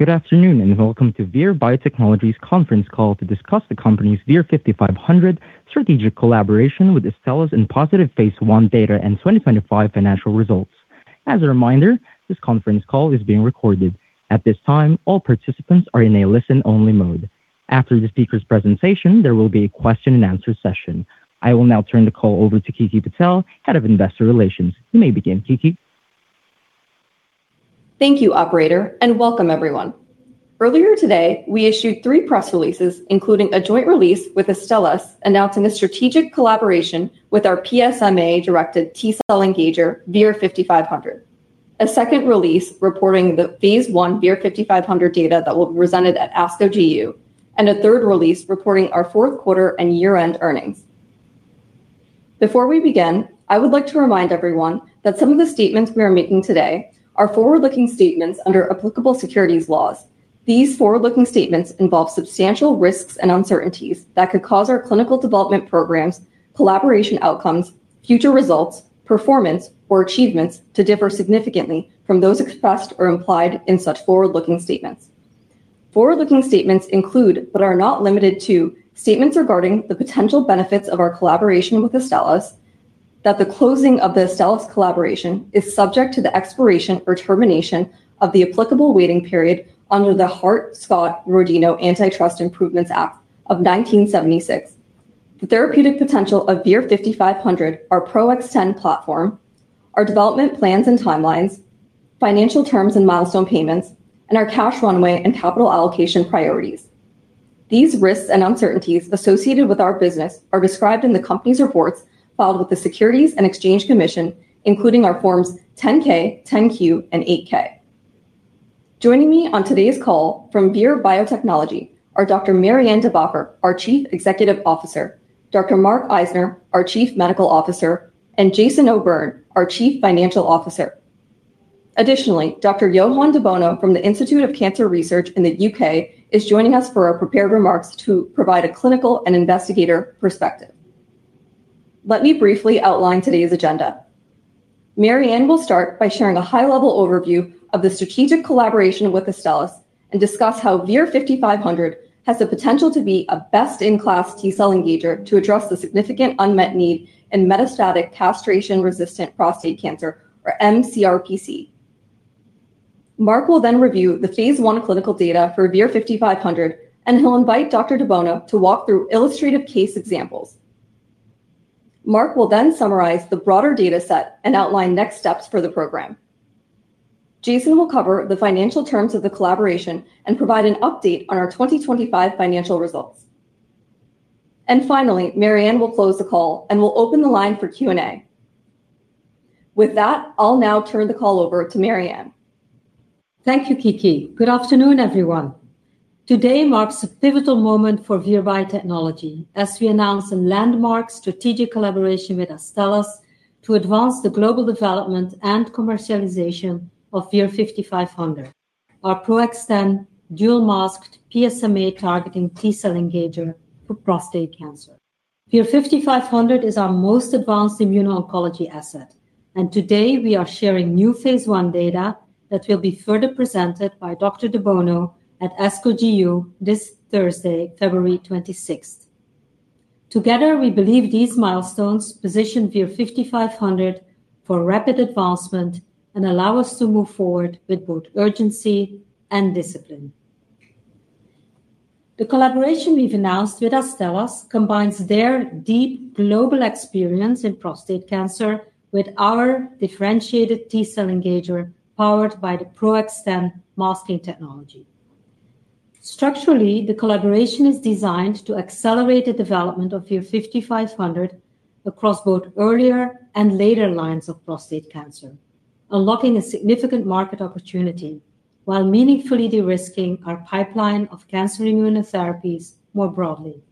Welcome to Vir Biotechnology's conference call to discuss the company's VIR-5500 strategic collaboration with Astellas and positive phase I data and 2025 financial results. As a reminder, this conference call is being recorded. At this time, all participants are in a listen-only mode. After the speakers' presentation, there will be a question-and-answer session. I will now turn the call over to Kiki Patel, Head of Investor Relations. You may begin, Kiki. Thank you, operator, and welcome everyone. Earlier today, we issued three press releases, including a joint release with Astellas, announcing a strategic collaboration with our PSMA-directed T-cell engager, VIR-5500. A second release reporting the phase I VIR-5500 data that will be presented at ASCO GU, and a third release reporting our fourth quarter and year-end earnings. Before we begin, I would like to remind everyone that some of the statements we are making today are forward-looking statements under applicable securities laws. These forward-looking statements involve substantial risks and uncertainties that could cause our clinical development programs, collaboration outcomes, future results, performance, or achievements to differ significantly from those expressed or implied in such forward-looking statements. Forward-looking statements include, but are not limited to, statements regarding the potential benefits of our collaboration with Astellas, that the closing of the Astellas collaboration is subject to the expiration or termination of the applicable waiting period under the Hart-Scott-Rodino Antitrust Improvements Act of 1976, the therapeutic potential of VIR-5500, our PRO-XTEN platform, our development plans and timelines, financial terms and milestone payments, and our cash runway and capital allocation priorities. These risks and uncertainties associated with our business are described in the company's reports filed with the Securities and Exchange Commission, including our forms 10-K, 10-Q, and 8-K. Joining me on today's call from Vir Biotechnology are Dr. Marianne De Backer, our Chief Executive Officer; Dr. Mark Eisner, our Chief Medical Officer; and Jason O'Byrne, our Chief Financial Officer. Additionally, Dr. Johann de Bono from The Institute of Cancer Research in the U.K is joining us for our prepared remarks to provide a clinical and investigator perspective. Let me briefly outline today's agenda. Marianne will start by sharing a high-level overview of the strategic collaboration with Astellas and discuss how VIR-5500 has the potential to be a best-in-class T-cell engager to address the significant unmet need in metastatic castration-resistant prostate cancer, or mCRPC. Mark will then review the phase I clinical data for VIR-5500, he'll invite Dr. de Bono to walk through illustrative case examples. Mark will then summarize the broader data set and outline next steps for the program. Jason will cover the financial terms of the collaboration and provide an update on our 2025 financial results. Finally, Marianne will close the call, and we'll open the line for Q&A. With that, I'll now turn the call over to Marianne. Thank you, Kiki. Good afternoon, everyone. Today marks a pivotal moment for Vir Biotechnology as we announce a landmark strategic collaboration with Astellas to advance the global development and commercialization of VIR-5500, our PRO-XTEN dual-masked PSMA-targeting T-cell engager for prostate cancer. VIR-5500 is our most advanced immuno-oncology asset, and today we are sharing new phase I data that will be further presented by Dr. de Bono at ASCO GU this Thursday, February 26th. Together, we believe these milestones position VIR-5500 for rapid advancement and allow us to move forward with both urgency and discipline. The collaboration we've announced with Astellas combines their deep global experience in prostate cancer with our differentiated T-cell engager, powered by the PRO-XTEN masking technology. Structurally, the collaboration is designed to accelerate the development of VIR-5500 across both earlier and later lines of prostate cancer, unlocking a significant market opportunity while meaningfully de-risking our pipeline of cancer immunotherapies more broadly.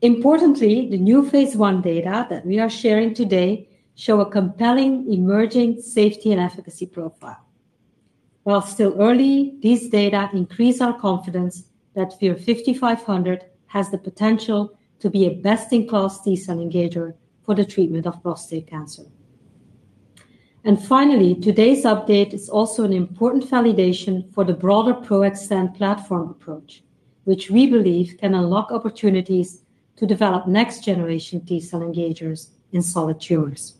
Importantly, the new phase I data that we are sharing today show a compelling emerging safety and efficacy profile. While still early, these data increase our confidence that VIR-5500 has the potential to be a best-in-class T-cell engager for the treatment of prostate cancer. Finally, today's update is also an important validation for the broader PRO-XTEN platform approach, which we believe can unlock opportunities to develop next-generation T-cell engagers in solid tumors.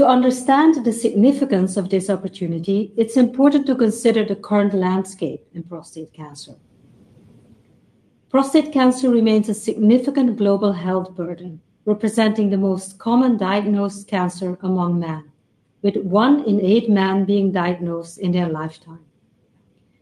To understand the significance of this opportunity, it's important to consider the current landscape in prostate cancer. Prostate cancer remains a significant global health burden, representing the most common diagnosed cancer among men, with one in eight men being diagnosed in their lifetime.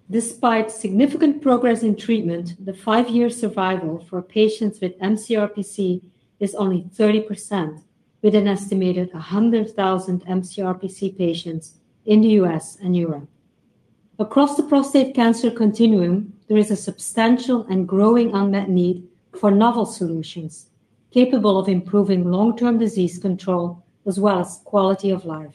Despite significant progress in treatment, the five-year survival for patients with mCRPC is only 30%, with an estimated 100,000 mCRPC patients in the U.S and Europe. Across the prostate cancer continuum, there is a substantial and growing unmet need for novel solutions capable of improving long-term disease control as well as quality of life.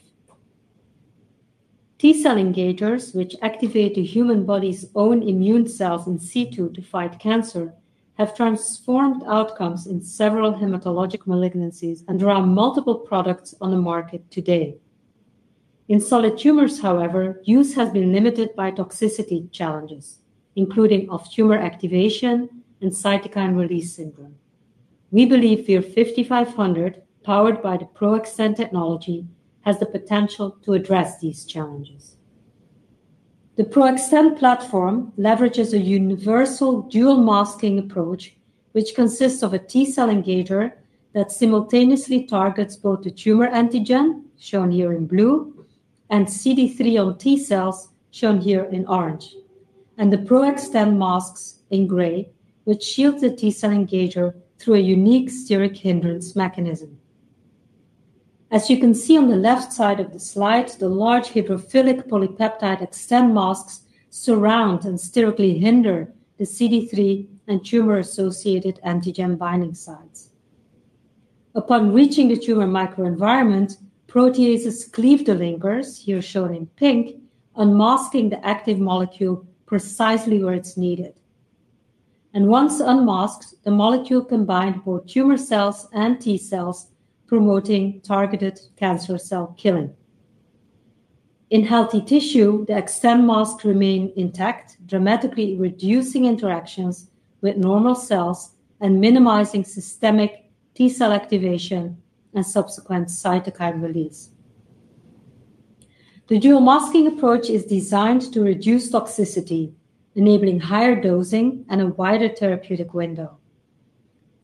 T-cell engagers, which activate the human body's own immune cells in situ to fight cancer. have transformed outcomes in several hematologic malignancies, and there are multiple products on the market today. In solid tumors, however, use has been limited by toxicity challenges, including off-tumor activation and cytokine release syndrome. We believe VIR-5500, powered by the PRO-XTEN technology, has the potential to address these challenges. The PRO-XTEN platform leverages a universal dual-masking approach, which consists of a T-cell engager that simultaneously targets both the tumor antigen, shown here in blue, and CD3 on T-cells, shown here in orange, and the XTEN masks in gray, which shield the T-cell engager through a unique steric hindrance mechanism. As you can see on the left side of the slide, the large hydrophilic polypeptide XTEN masks surround and sterically hinder the CD3 and tumor-associated antigen binding sites. Upon reaching the tumor microenvironment, proteases cleave the linkers, here shown in pink, unmasking the active molecule precisely where it's needed. Once unmasked, the molecule can bind both tumor cells and T-cells, promoting targeted cancer cell killing. In healthy tissue, the XTEN masks remain intact, dramatically reducing interactions with normal cells and minimizing systemic T-cell activation and subsequent cytokine release. The dual masking approach is designed to reduce toxicity, enabling higher dosing and a wider therapeutic window.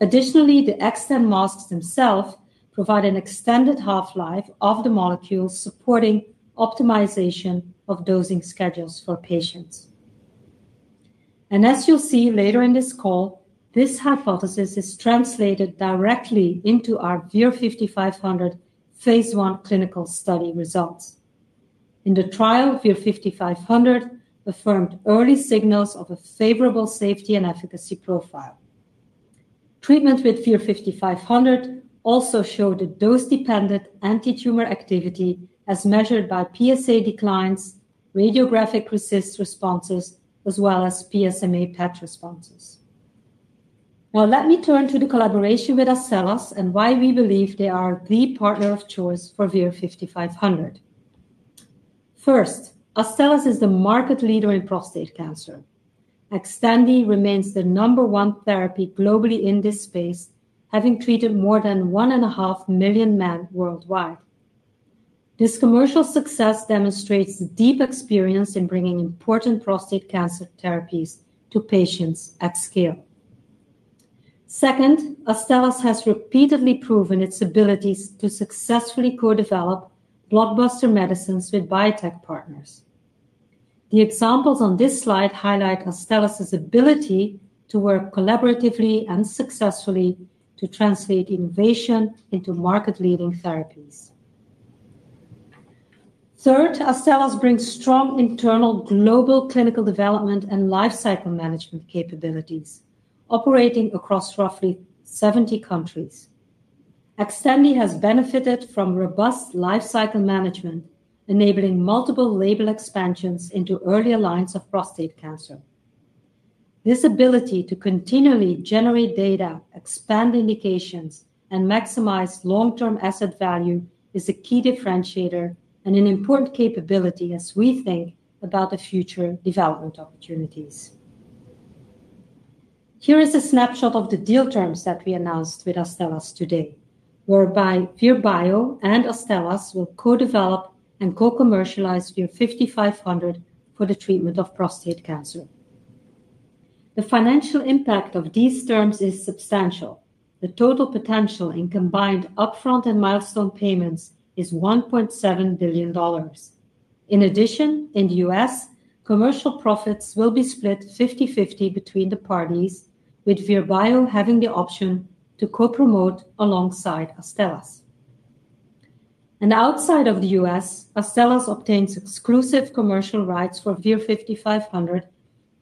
Additionally, the XTEN masks themselves provide an extended half-life of the molecule, supporting optimization of dosing schedules for patients. As you'll see later in this call, this hypothesis is translated directly into our VIR-5500 phase I clinical study results. In the trial, VIR-5500 affirmed early signals of a favorable safety and efficacy profile. Treatment with VIR-5500 also showed a dose-dependent antitumor activity as measured by PSA declines, radiographic PFS responses, as well as PSMA PET responses. Now, let me turn to the collaboration with Astellas, and why we believe they are the partner of choice for VIR-5500. First, Astellas is the market leader in prostate cancer. Xtandi remains the number one therapy globally in this space, having treated more than 1,500,000 million men worldwide. This commercial success demonstrates the deep experience in bringing important prostate cancer therapies to patients at scale. Astellas has repeatedly proven its abilities to successfully co-develop blockbuster medicines with biotech partners. The examples on this slide highlight Astellas' ability to work collaboratively and successfully to translate innovation into market-leading therapies. Astellas brings strong internal global clinical development and lifecycle management capabilities, operating across roughly 70 countries. Xtandi has benefited from robust lifecycle management, enabling multiple label expansions into earlier lines of prostate cancer. This ability to continually generate data, expand indications, and maximize long-term asset value is a key differentiator and an important capability as we think about the future development opportunities. Here is a snapshot of the deal terms that we announced with Astellas today, whereby Vir Bio and Astellas will co-develop and co-commercialize VIR-5500 for the treatment of prostate cancer. The financial impact of these terms is substantial. The total potential in combined upfront and milestone payments is $1.7 billion. In addition, in the U.S, commercial profits will be split 50/50 between the parties, with Vir Bio having the option to co-promote alongside Astellas. Outside of the U.S, Astellas obtains exclusive commercial rights for VIR-5500,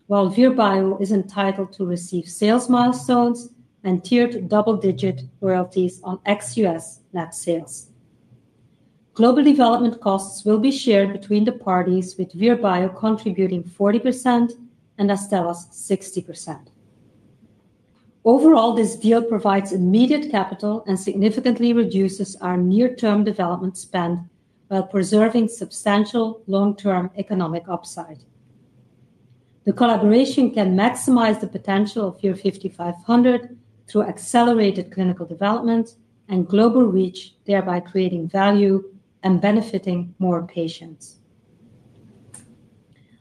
while Vir Bio is entitled to receive sales milestones and tiered double-digit royalties on ex-U.S net sales. Global development costs will be shared between the parties, with Vir Bio contributing 40% and Astellas 60%. Overall, this deal provides immediate capital and significantly reduces our near-term development spend while preserving substantial long-term economic upside. The collaboration can maximize the potential of VIR-5500 through accelerated clinical development and global reach, thereby creating value and benefiting more patients.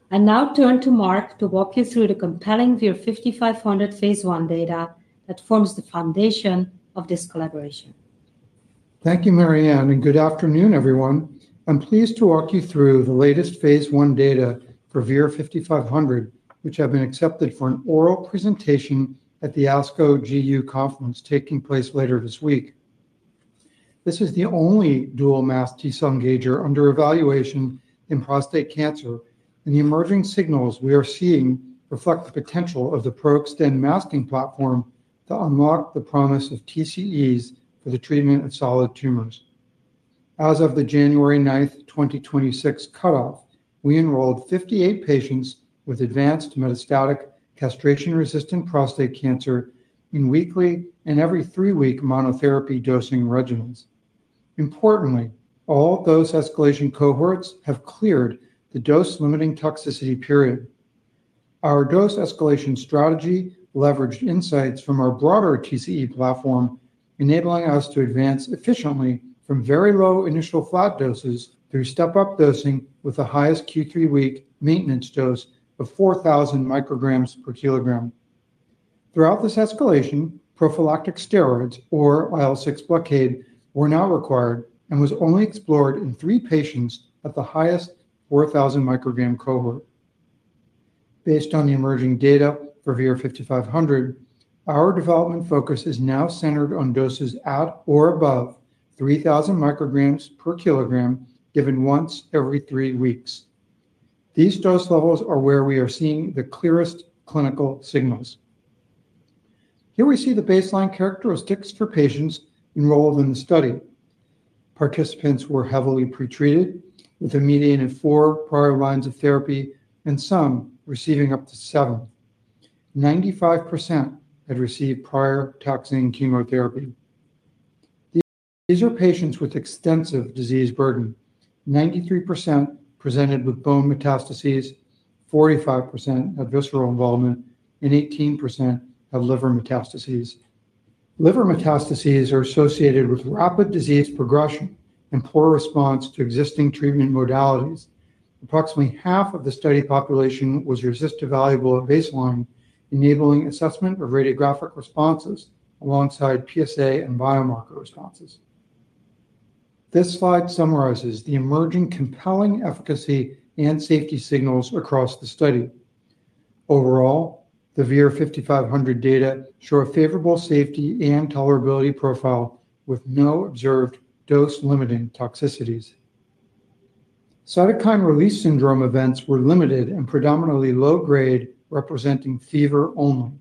I now turn to Mark to walk you through the compelling VIR-5500 phase I data that forms the foundation of this collaboration. Thank you, Marianne, and good afternoon, everyone. I'm pleased to walk you through the latest phase I data for VIR-5500, which have been accepted for an oral presentation at the ASCO GU conference taking place later this week. This is the only dual-masked T-cell engager under evaluation in prostate cancer, and the emerging signals we are seeing reflect the potential of the PRO-XTEN masking platform to unlock the promise of TCEs for the treatment of solid tumors. As of the January 9, 2026 cutoff, we enrolled 58 patients with advanced metastatic castration-resistant prostate cancer in weekly and every three-week monotherapy dosing regimens. Importantly, all those escalation cohorts have cleared the dose-limiting toxicity period. Our dose escalation strategy leveraged insights from our broader TCE platform, enabling us to advance efficiently from very low initial flat doses through step-up dosing with the highest Q3W maintenance dose of 4,000 micrograms per kg. Throughout this escalation, prophylactic steroids or IL-6 blockade were not required and was only explored in three patients at the highest 4,000 microgram cohort. Based on the emerging data for VIR-5500, our development focus is now centered on doses at or above 3,000 micrograms per kg, given once every three weeks. These dose levels are where we are seeing the clearest clinical signals. Here we see the baseline characteristics for patients enrolled in the study. Participants were heavily pretreated with a median of four prior lines of therapy and some receiving up to 7. 95% had received prior taxane chemotherapy. These are patients with extensive disease burden. 93% presented with bone metastases, 45% had visceral involvement, and 18% had liver metastases. Liver metastases are associated with rapid disease progression and poor response to existing treatment modalities. Approximately half of the study population was RECIST evaluable at baseline, enabling assessment of radiographic responses alongside PSA and biomarker responses. This slide summarizes the emerging compelling efficacy and safety signals across the study. Overall, the VIR-5500 data show a favorable safety and tolerability profile with no observed dose-limiting toxicities. Cytokine release syndrome events were limited and predominantly low grade, representing fever only.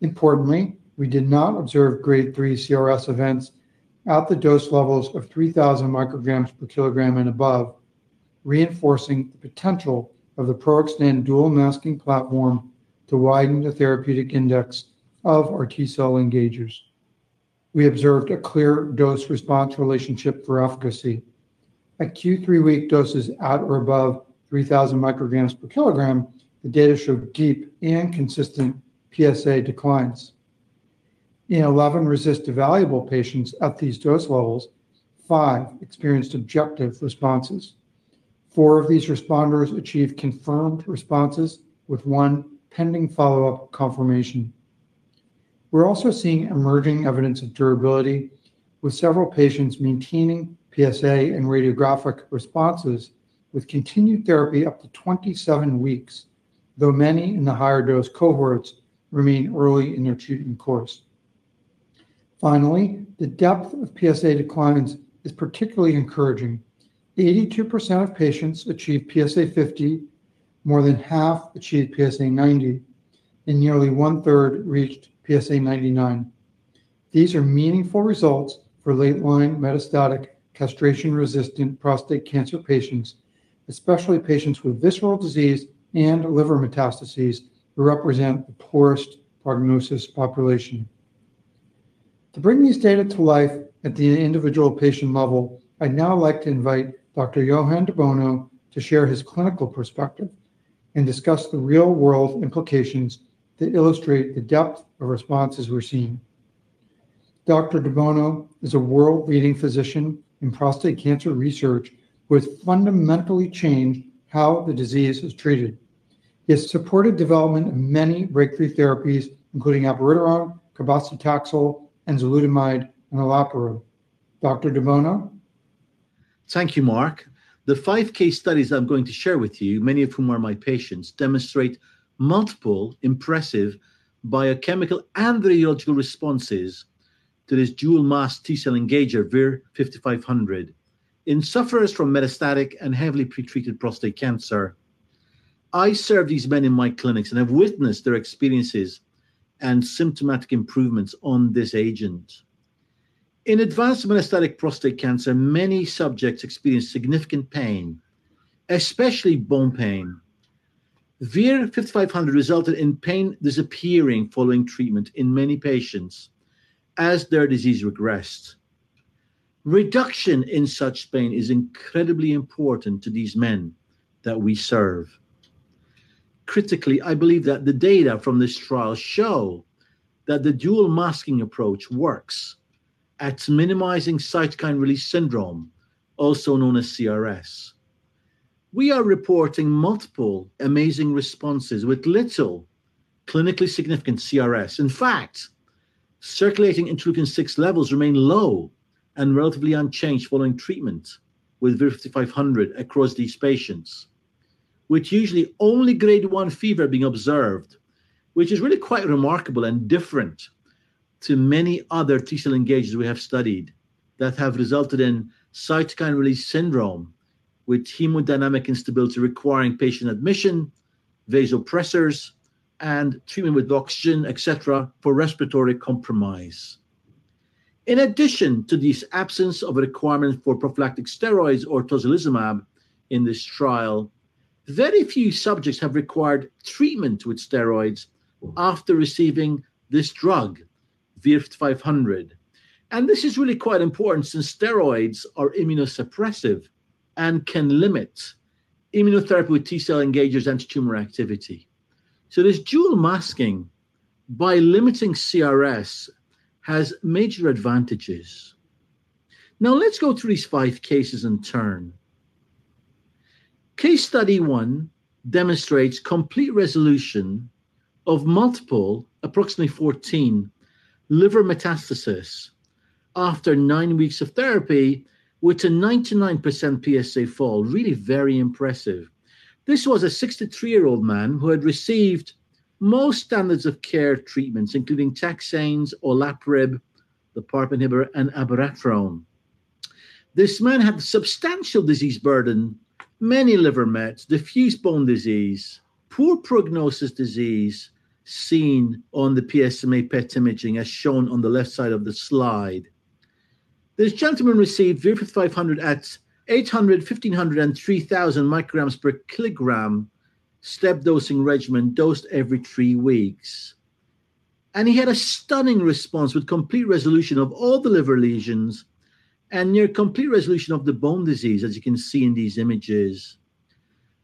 Importantly, we did not observe grade 3 CRS events at the dose levels of 3,000 micrograms per kg and above, reinforcing the potential of the PRO-XTEN dual-masking platform to widen the therapeutic index of our T-cell engagers. We observed a clear dose-response relationship for efficacy. At Q3W doses at or above 3,000 micrograms per kg, the data showed deep and consistent PSA declines. In 11 RECIST evaluable patients at these dose levels, five experienced objective responses. Four of these responders achieved confirmed responses, with one pending follow-up confirmation. We're also seeing emerging evidence of durability, with several patients maintaining PSA and radiographic responses with continued therapy up to 27 weeks, though many in the higher dose cohorts remain early in their treatment course. Finally, the depth of PSA declines is particularly encouraging. 82% of patients achieved PSA50, more than half achieved PSA90, and nearly one-third reached PSA ninety-nine. These are meaningful results for late-line metastatic castration-resistant prostate cancer patients, especially patients with visceral disease and liver metastases, who represent the poorest prognosis population. To bring these data to life at the individual patient level, I'd now like to invite Dr. Johann de Bono to share his clinical perspective and discuss the real-world implications that illustrate the depth of responses we're seeing. Dr. de Bono is a world-leading physician in prostate cancer research, who has fundamentally changed how the disease is treated. He has supported development of many breakthrough therapies, including abiraterone, cabazitaxel, enzalutamide, and olaparib. Dr. de Bono? Thank you, Mark. The five case studies I'm going to share with you, many of whom are my patients, demonstrate multiple impressive biochemical and radiological responses to this dual-masked T-cell engager, VIR-5500, in sufferers from metastatic and heavily pretreated prostate cancer. I serve these men in my clinics and have witnessed their experiences and symptomatic improvements on this agent. In advanced metastatic prostate cancer, many subjects experience significant pain, especially bone pain. VIR-5500 resulted in pain disappearing following treatment in many patients as their disease regressed. Reduction in such pain is incredibly important to these men that we serve. Critically, I believe that the data from this trial show that the dual masking approach works at minimizing cytokine release syndrome, also known as CRS. We are reporting multiple amazing responses with little clinically significant CRS. In fact, circulating Interleukin-6 levels remain low and relatively unchanged following treatment with VIR-5500 across these patients, with usually only grade 1 fever being observed, which is really quite remarkable and different to many other T-cell engagers we have studied that have resulted in cytokine release syndrome, with hemodynamic instability requiring patient admission, vasopressors and treatment with oxygen, et cetera, for respiratory compromise. In addition to this absence of a requirement for prophylactic steroids or tocilizumab in this trial, very few subjects have required treatment with steroids after receiving this drug, VIR-5500. This is really quite important since steroids are immunosuppressive and can limit immunotherapy with T-cell engagers antitumor activity. This dual-masking by limiting CRS has major advantages. Now, let's go through these five cases in turn. Case study 1 demonstrates complete resolution of multiple, approximately 14, liver metastasis after nine weeks of therapy, with a 99% PSA fall. Really very impressive. This was a 63-year-old man who had received most standards of care treatments, including taxanes, olaparib, the PARP inhibitor, and abiraterone. This man had substantial disease burden, many liver mets, diffuse bone disease, poor prognosis disease seen on the PSMA PET imaging, as shown on the left side of the slide. This gentleman received VIR-5500 at 800, 1,500, and 3,000 micrograms per kg step dosing regimen, dosed every three weeks. He had a stunning response with complete resolution of all the liver lesions and near complete resolution of the bone disease as you can see in these images.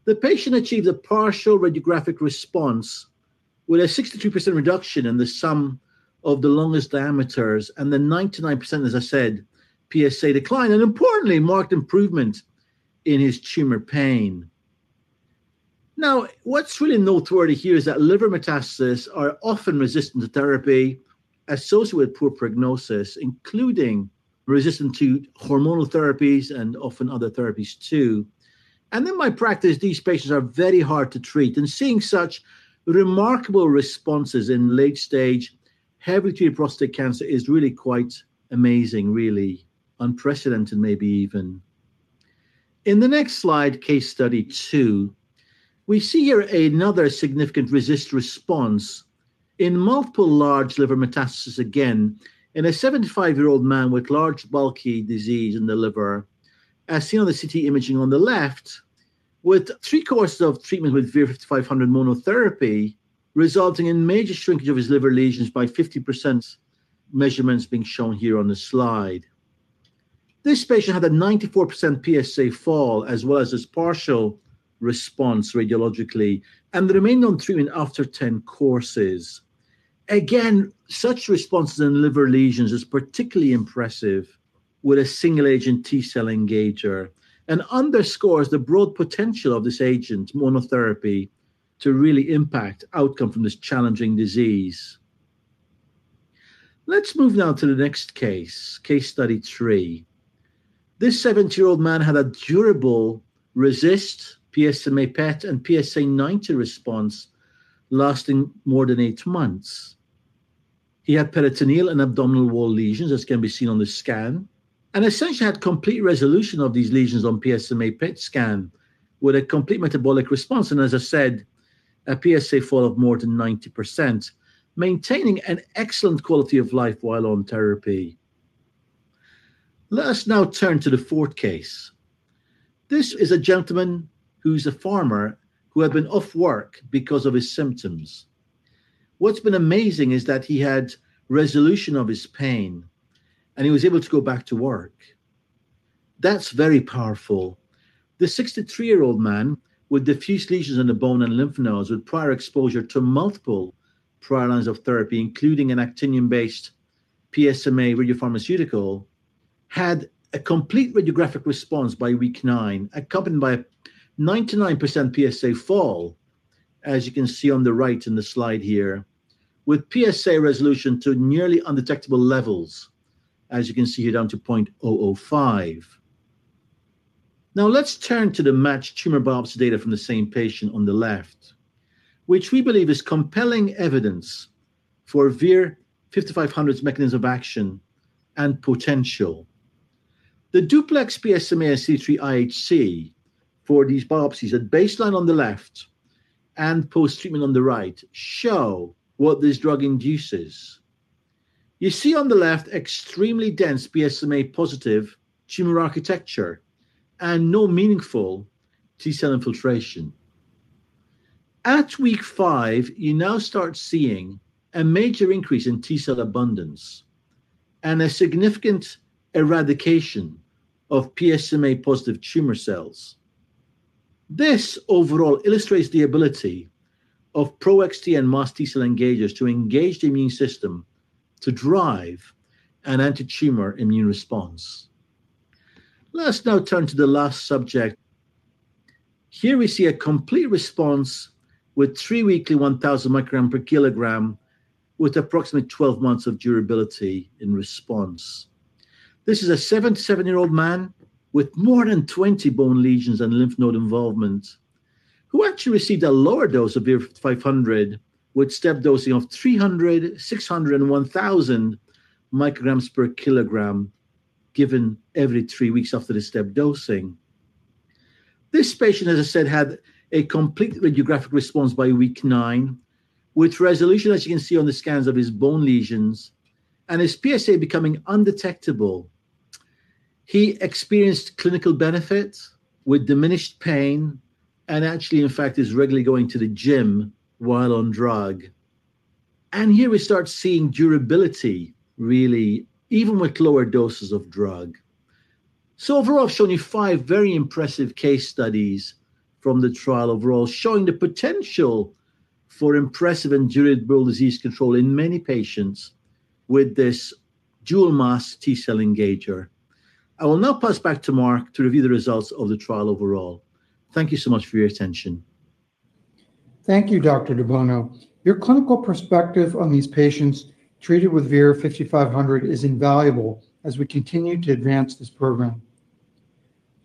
The patient achieved a partial radiographic response with a 62% reduction in the sum of the longest diameters, and then 99%, as I said, PSA decline, and importantly, marked improvement in his tumor pain. What's really noteworthy here is that liver metastasis are often resistant to therapy associated with poor prognosis, including resistant to hormonal therapies and often other therapies, too. In my practice, these patients are very hard to treat, and seeing such remarkable responses in late stage heavily treated prostate cancer is really quite amazing, really unprecedented, maybe even. In the next slide, case study 2, we see here another significant RECIST response in multiple large liver metastasis again, in a 75-year-old man with large, bulky disease in the liver, as seen on the CT imaging on the left, with three courses of treatment with VIR-5500 monotherapy, resulting in major shrinkage of his liver lesions by 50%, measurements being shown here on the slide. This patient had a 94% PSA fall, as well as this partial response radiologically, they remained on treatment after 10 courses. Again, such responses in liver lesions is particularly impressive with a single-agent T-cell engager and underscores the broad potential of this agent, monotherapy, to really impact outcome from this challenging disease. Let's move now to the next case, case study 3. This 70-year-old man had a durable RECIST PSMA PET and PSA90 response lasting more than eight-months. He had peritoneal and abdominal wall lesions, as can be seen on the scan, and essentially had complete resolution of these lesions on PSMA PET scan with a complete metabolic response, and as I said, a PSA fall of more than 90%, maintaining an excellent quality of life while on therapy. Let us now turn to the fourth case. This is a gentleman who's a farmer who had been off work because of his symptoms. What's been amazing is that he had resolution of his pain, and he was able to go back to work. That's very powerful. The 63-year-old man with diffuse lesions in the bone and lymph nodes with prior exposure to multiple prior lines of therapy, including an actinium-based PSMA radiopharmaceutical, had a complete radiographic response by week nine, accompanied by a 99% PSA fall, as you can see on the right in the slide here, with PSA resolution to nearly undetectable levels, as you can see here, down to 0.005. Now, let's turn to the matched tumor biopsy data from the same patient on the left, which we believe is compelling evidence for VIR-5500's mechanism of action and potential. The duplex PSMA/C3 IHC for these biopsies at baseline on the left and post-treatment on the right show what this drug induces. You see on the left, extremely dense PSMA-positive tumor architecture and no meaningful T-cell infiltration. At week five, you now start seeing a major increase in T-cell abundance and a significant eradication of PSMA-positive tumor cells. This overall illustrates the ability of PRO-XTEN-masked T-cell engagers to engage the immune system to drive an antitumor immune response. Let us now turn to the last subject. Here we see a complete response with three weekly 1,000 microgram per kg with approximately 12 months of durability in response. This is a 77-year-old man with more than 20 bone lesions and lymph node involvement, who actually received a lower dose of VIR-5500, with step dosing of 300, 600, and 1,000 micrograms per kg given every three weeks after the stepped dosing. This patient, as I said, had a complete radiographic response by week nine, with resolution, as you can see on the scans, of his bone lesions and his PSA becoming undetectable. He experienced clinical benefit with diminished pain and actually, in fact, is regularly going to the gym while on drug. Here we start seeing durability, really, even with lower doses of drug. Overall, I've shown you five very impressive case studies from the trial overall, showing the potential for impressive and durable disease control in many patients with this dual-masked T-cell engager. I will now pass back to Mark Eisner to review the results of the trial overall. Thank you so much for your attention. Thank you, Dr. de Bono. Your clinical perspective on these patients treated with VIR-5500 is invaluable as we continue to advance this program.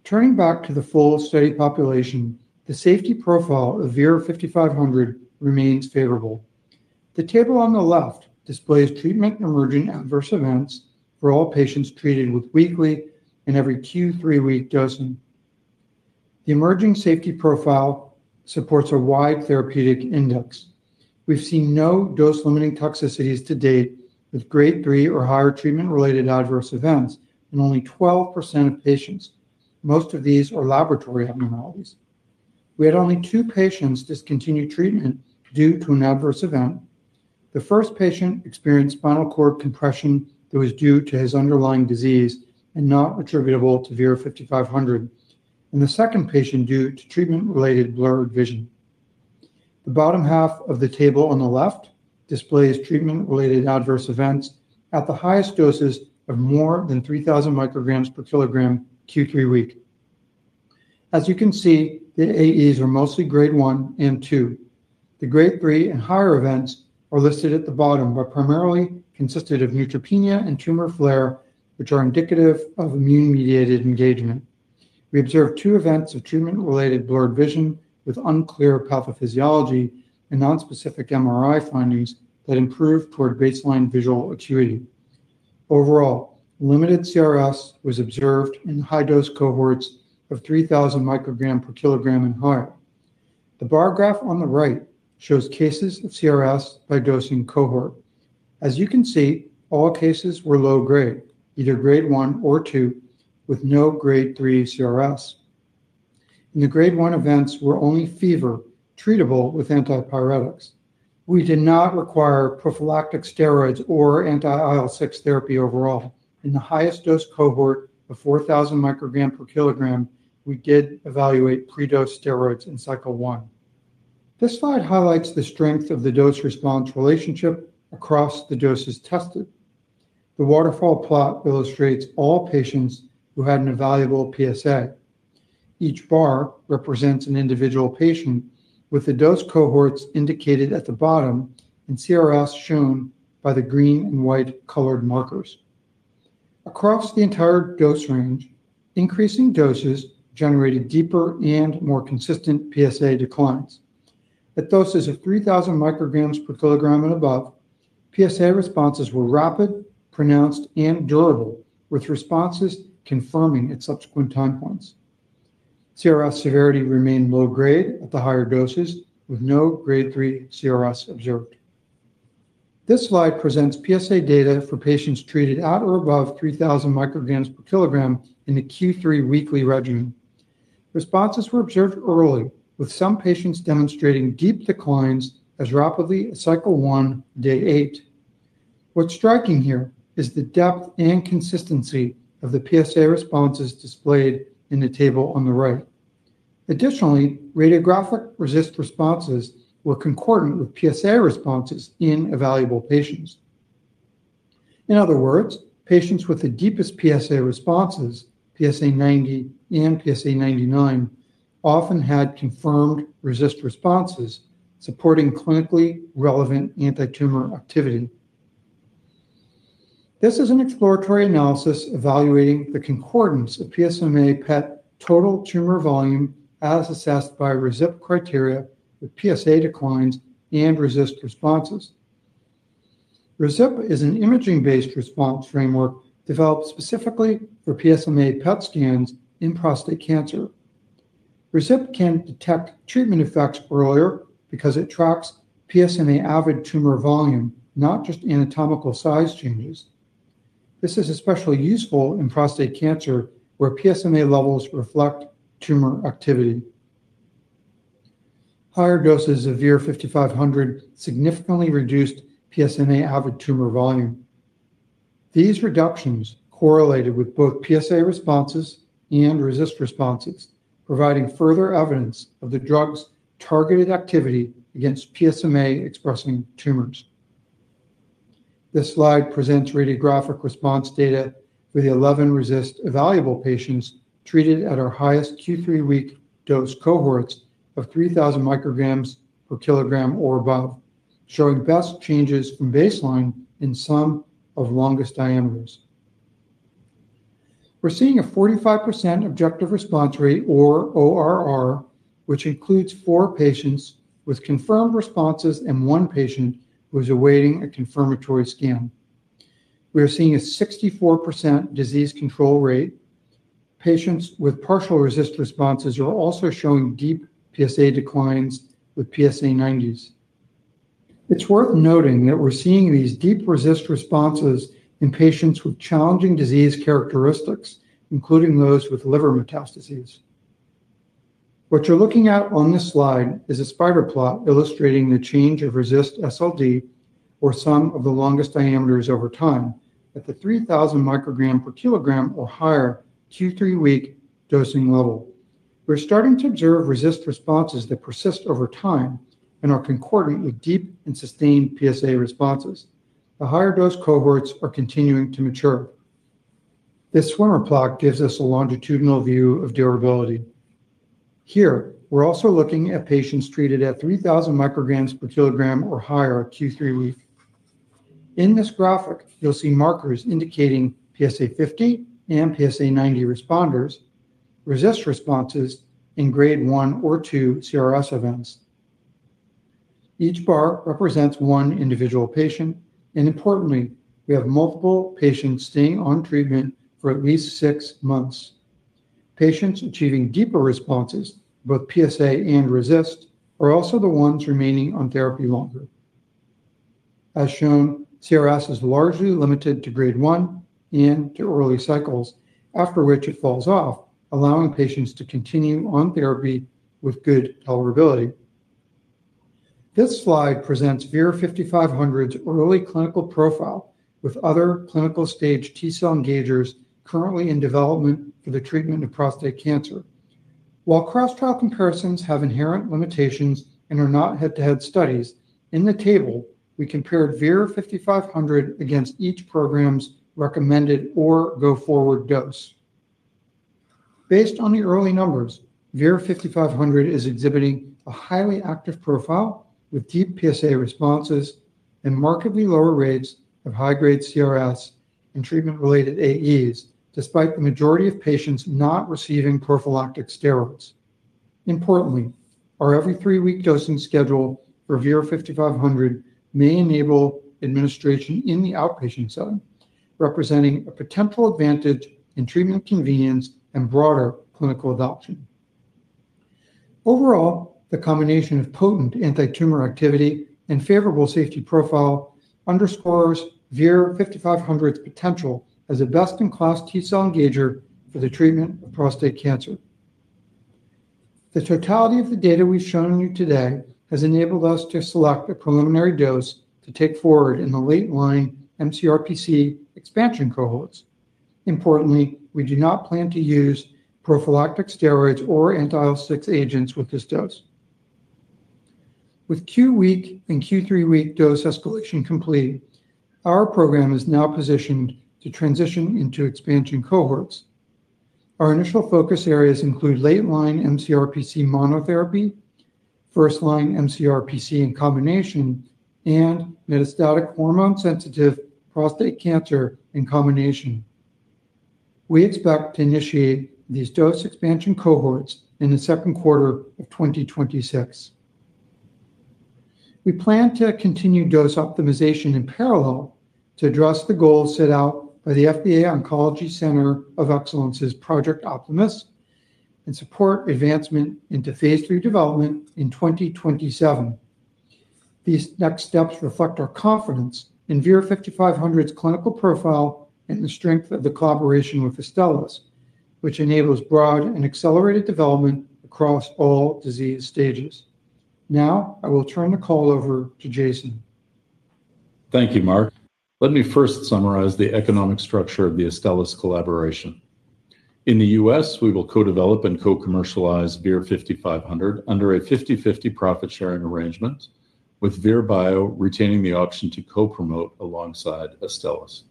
Turning back to the full study population, the safety profile of VIR-5500 remains favorable. The table on the left displays treatment and emerging adverse events for all patients treated with weekly and every Q3W dosing. The emerging safety profile supports a wide therapeutic index. We've seen no dose-limiting toxicities to date, with grade three or higher treatment-related adverse events in only 12% of patients. Most of these are laboratory abnormalities. We had only two patients discontinue treatment due to an adverse event. The first patient experienced spinal cord compression that was due to his underlying disease and not attributable to VIR-5500, and the second patient due to treatment-related blurred vision. The bottom half of the table on the left displays treatment-related adverse events at the highest doses of more than 3,000 micrograms per kg Q3W. As you can see, the AEs are mostly grade 1 and 2. The grade 3 and higher events are listed at the bottom, but primarily consisted of neutropenia and tumor flare, which are indicative of immune-mediated engagement. We observed two events of treatment-related blurred vision with unclear pathophysiology and nonspecific MRI findings that improved toward baseline visual acuity. Overall, limited CRS was observed in high-dose cohorts of 3,000 microgram per kg and higher. The bar graph on the right shows cases of CRS by dosing cohort. As you can see, all cases were low grade, either grade 1 or 2, with no grade 3 CRS. The grade 1 events were only fever, treatable with antipyretics. We did not require prophylactic steroids or anti-IL-6 therapy overall. In the highest dose cohort of 4,000 microgram per kg, we did evaluate pre-dose steroids in cycle one. This slide highlights the strength of the dose-response relationship across the doses tested. The waterfall plot illustrates all patients who had an evaluable PSA. Each bar represents an individual patient, with the dose cohorts indicated at the bottom and CRS shown by the green and white colored markers. Across the entire dose range, increasing doses generated deeper and more consistent PSA declines. At doses of 3,000 micrograms per kg and above, PSA responses were rapid, pronounced, and durable, with responses confirming at subsequent time points. CRS severity remained low grade at the higher doses, with no grade three CRS observed. This slide presents PSA data for patients treated at or above 3,000 micrograms per kg in the Q3W regimen. Responses were observed early, with some patients demonstrating deep declines as rapidly as cycle 1, day eight. What's striking here is the depth and consistency of the PSA responses displayed in the table on the right. Radiographic RECIST responses were concordant with PSA responses in evaluable patients. In other words, patients with the deepest PSA responses, PSA90 and PSA99, often had confirmed RECIST responses, supporting clinically relevant antitumor activity. This is an exploratory analysis evaluating the concordance of PSMA PET total tumor volume, as assessed by RESIP criteria, with PSA declines and RECIST responses. RESIP is an imaging-based response framework developed specifically for PSMA PET scans in prostate cancer. RESIP can detect treatment effects earlier because it tracks PSMA-avid tumor volume, not just anatomical size changes. This is especially useful in prostate cancer, where PSMA levels reflect tumor activity. Higher doses of VIR-5500 significantly reduced PSMA-avid tumor volume. These reductions correlated with both PSA responses and RECIST responses, providing further evidence of the drug's targeted activity against PSMA-expressing tumors. This slide presents radiographic response data for the 11 RECIST evaluable patients treated at our highest Q3W dose cohorts of 3,000 micrograms per kg or above, showing best changes from baseline in sum of longest diameters. We're seeing a 45% objective response rate, or ORR which includes four patients with confirmed responses and one patient who is awaiting a confirmatory scan. We are seeing a 64% disease control rate. Patients with partial RECIST responses are also showing deep PSA declines with PSA90s. It's worth noting that we're seeing these deep RECIST responses in patients with challenging disease characteristics, including those with liver metastases. What you're looking at on this slide is a spider plot illustrating the change of RECIST SLD, or sum of the longest diameters over time, at the 3,000 microgram per kg or higher Q three-week dosing level. We're starting to observe RECIST responses that persist over time and are concordant with deep and sustained PSA responses. The higher dose cohorts are continuing to mature. This swimmer plot gives us a longitudinal view of durability. Here, we're also looking at patients treated at 3,000 micrograms per kg or higher Q three-week. In this graphic, you'll see markers indicating PSA50 and PSA90 responders, RECIST responses in grade 1 or 2 CRS events. Each bar represents one individual patient, and importantly, we have multiple patients staying on treatment for at least six-months. Patients achieving deeper responses, both PSA and RECIST, are also the ones remaining on therapy longer. As shown, CRS is largely limited to grade 1 and to early cycles, after which it falls off, allowing patients to continue on therapy with good tolerability. This slide presents VIR-5500's early clinical profile with other clinical stage T-cell engagers currently in development for the treatment of prostate cancer. While cross-trial comparisons have inherent limitations and are not head-to-head studies, in the table, we compared VIR-5500 against each program's recommended or go-forward dose. Based on the early numbers, VIR-5500 is exhibiting a highly active profile with deep PSA responses and markedly lower rates of high-grade CRS and treatment-related AEs, despite the majority of patients not receiving prophylactic steroids. Importantly, our every three-week dosing schedule for VIR-5500 may enable administration in the outpatient setting, representing a potential advantage in treatment convenience and broader clinical adoption. Overall, the combination of potent antitumor activity and favorable safety profile underscores VIR-5500's potential as a best-in-class T-cell engager for the treatment of prostate cancer. The totality of the data we've shown you today has enabled us to select a preliminary dose to take forward in the late line mCRPC expansion cohorts. Importantly, we do not plan to use prophylactic steroids or anti-IL-6 agents with this dose. With Q week and Q three-week dose escalation complete, our program is now positioned to transition into expansion cohorts. Our initial focus areas include late-line mCRPC monotherapy, first-line mCRPC in combination, and metastatic hormone-sensitive prostate cancer in combination. We expect to initiate these dose expansion cohorts in the second quarter of 2026. We plan to continue dose optimization in parallel to address the goals set out by the FDA Oncology Center of Excellence's Project Optimus and support advancement into phase III development in 2027. These next steps reflect our confidence in VIR-5500's clinical profile and the strength of the collaboration with Astellas, which enables broad and accelerated development across all disease stages. Now, I will turn the call over to Jason. Thank you, Mark. Let me first summarize the economic structure of the Astellas collaboration. In the U.S., we will co-develop and co-commercialize VIR-5500 under a 50/50 profit-sharing arrangement, with Virbio retaining the option to co-promote alongside Astellas.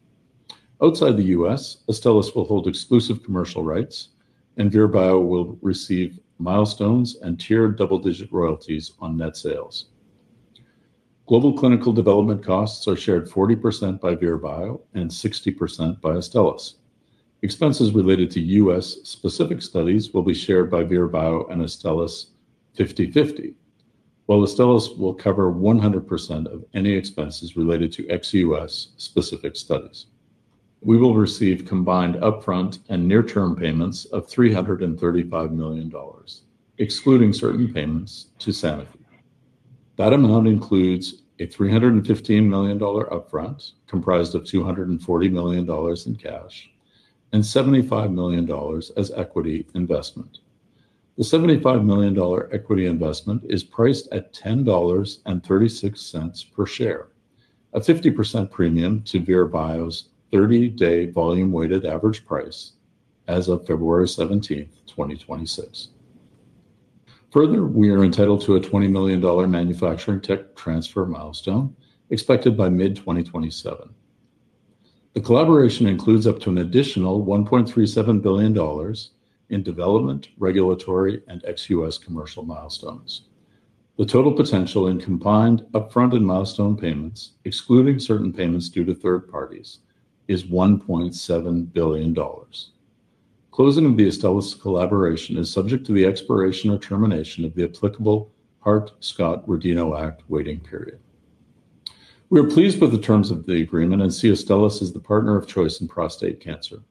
Outside the U.S., Astellas will hold exclusive commercial rights, and Virbio will receive milestones and tiered double-digit royalties on net sales. Global clinical development costs are shared 40% by Virbio and 60% by Astellas. Expenses related to U.S.-specific studies will be shared by Virbio and Astellas 50/50, while Astellas will cover 100% of any expenses related to ex-U.S. specific studies. We will receive combined upfront and near-term payments of $335 million, excluding certain payments to Sanofi. That amount includes a $315 million upfront, comprised of $240 million in cash and $75 million as equity investment. The $75 million equity investment is priced at $10.36 per share, a 50% premium to Virbio's 30-day volume-weighted average price as of February 17, 2026. Further, we are entitled to a $20 million manufacturing tech transfer milestone expected by mid-2027. The collaboration includes up to an additional $1.37 billion in development, regulatory, and ex-US commercial milestones. The total potential in combined upfront and milestone payments, excluding certain payments due to third parties, is $1.7 billion. Closing of the Astellas collaboration is subject to the expiration or termination of the applicable Hart-Scott-Rodino Act waiting period. We are pleased with the terms of the agreement, and see Astellas as the partner of choice in prostate cancer.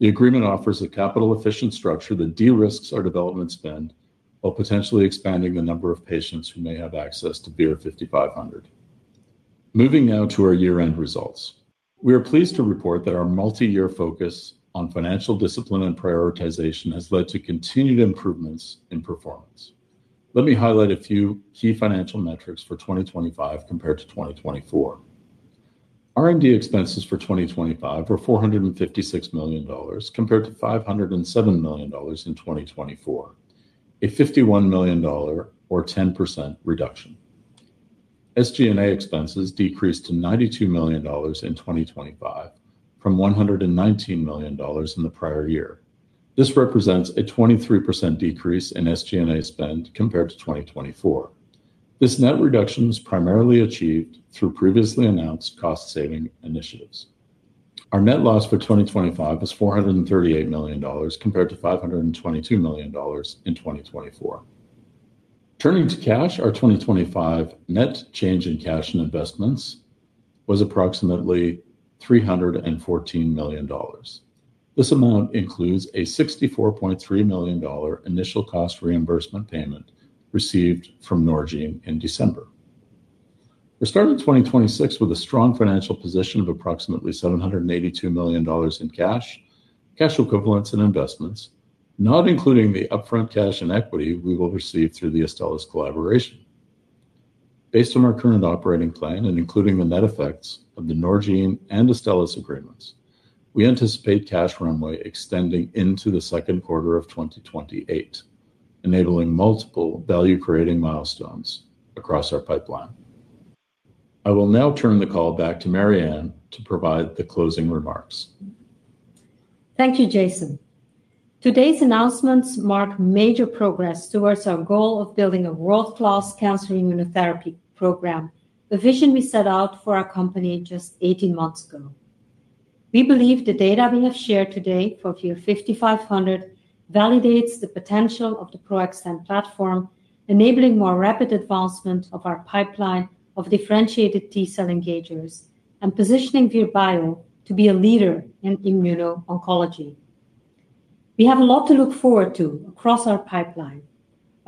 The agreement offers a capital-efficient structure that de-risks our development spend, while potentially expanding the number of patients who may have access to VIR-5500. Moving now to our year-end results. We are pleased to report that our multi-year focus on financial discipline and prioritization has led to continued improvements in performance. Let me highlight a few key financial metrics for 2025 compared to 2024. R&D expenses for 2025 were $456 million, compared to $507 million in 2024, a $51 million or 10% reduction. SG&A expenses decreased to $92 million in 2025 from $119 million in the prior year. This represents a 23% decrease in SG&A spend compared to 2024. This net reduction was primarily achieved through previously announced cost-saving initiatives. Our net loss for 2025 was $438 million, compared to $522 million in 2024. Turning to cash, our 2025 net change in cash and investments was approximately $314 million. This amount includes a $64.3 million initial cost reimbursement payment received from Norgine in December. We started 2026 with a strong financial position of approximately $782 million in cash, cash equivalents and investments, not including the upfront cash and equity we will receive through the Astellas collaboration. Based on our current operating plan and including the net effects of the Norgine and Astellas agreements, we anticipate cash runway extending into the second quarter of 2028, enabling multiple value-creating milestones across our pipeline. I will now turn the call back to Marianne to provide the closing remarks. Thank you, Jason. Today's announcements mark major progress towards our goal of building a world-class cancer immunotherapy program, the vision we set out for our company just 18 months ago. We believe the data we have shared today for VIR-5500 validates the potential of the PRO-XTEN platform, enabling more rapid advancement of our pipeline of differentiated T-cell engagers and positioning Vir Bio to be a leader in immuno-oncology. We have a lot to look forward to across our pipeline.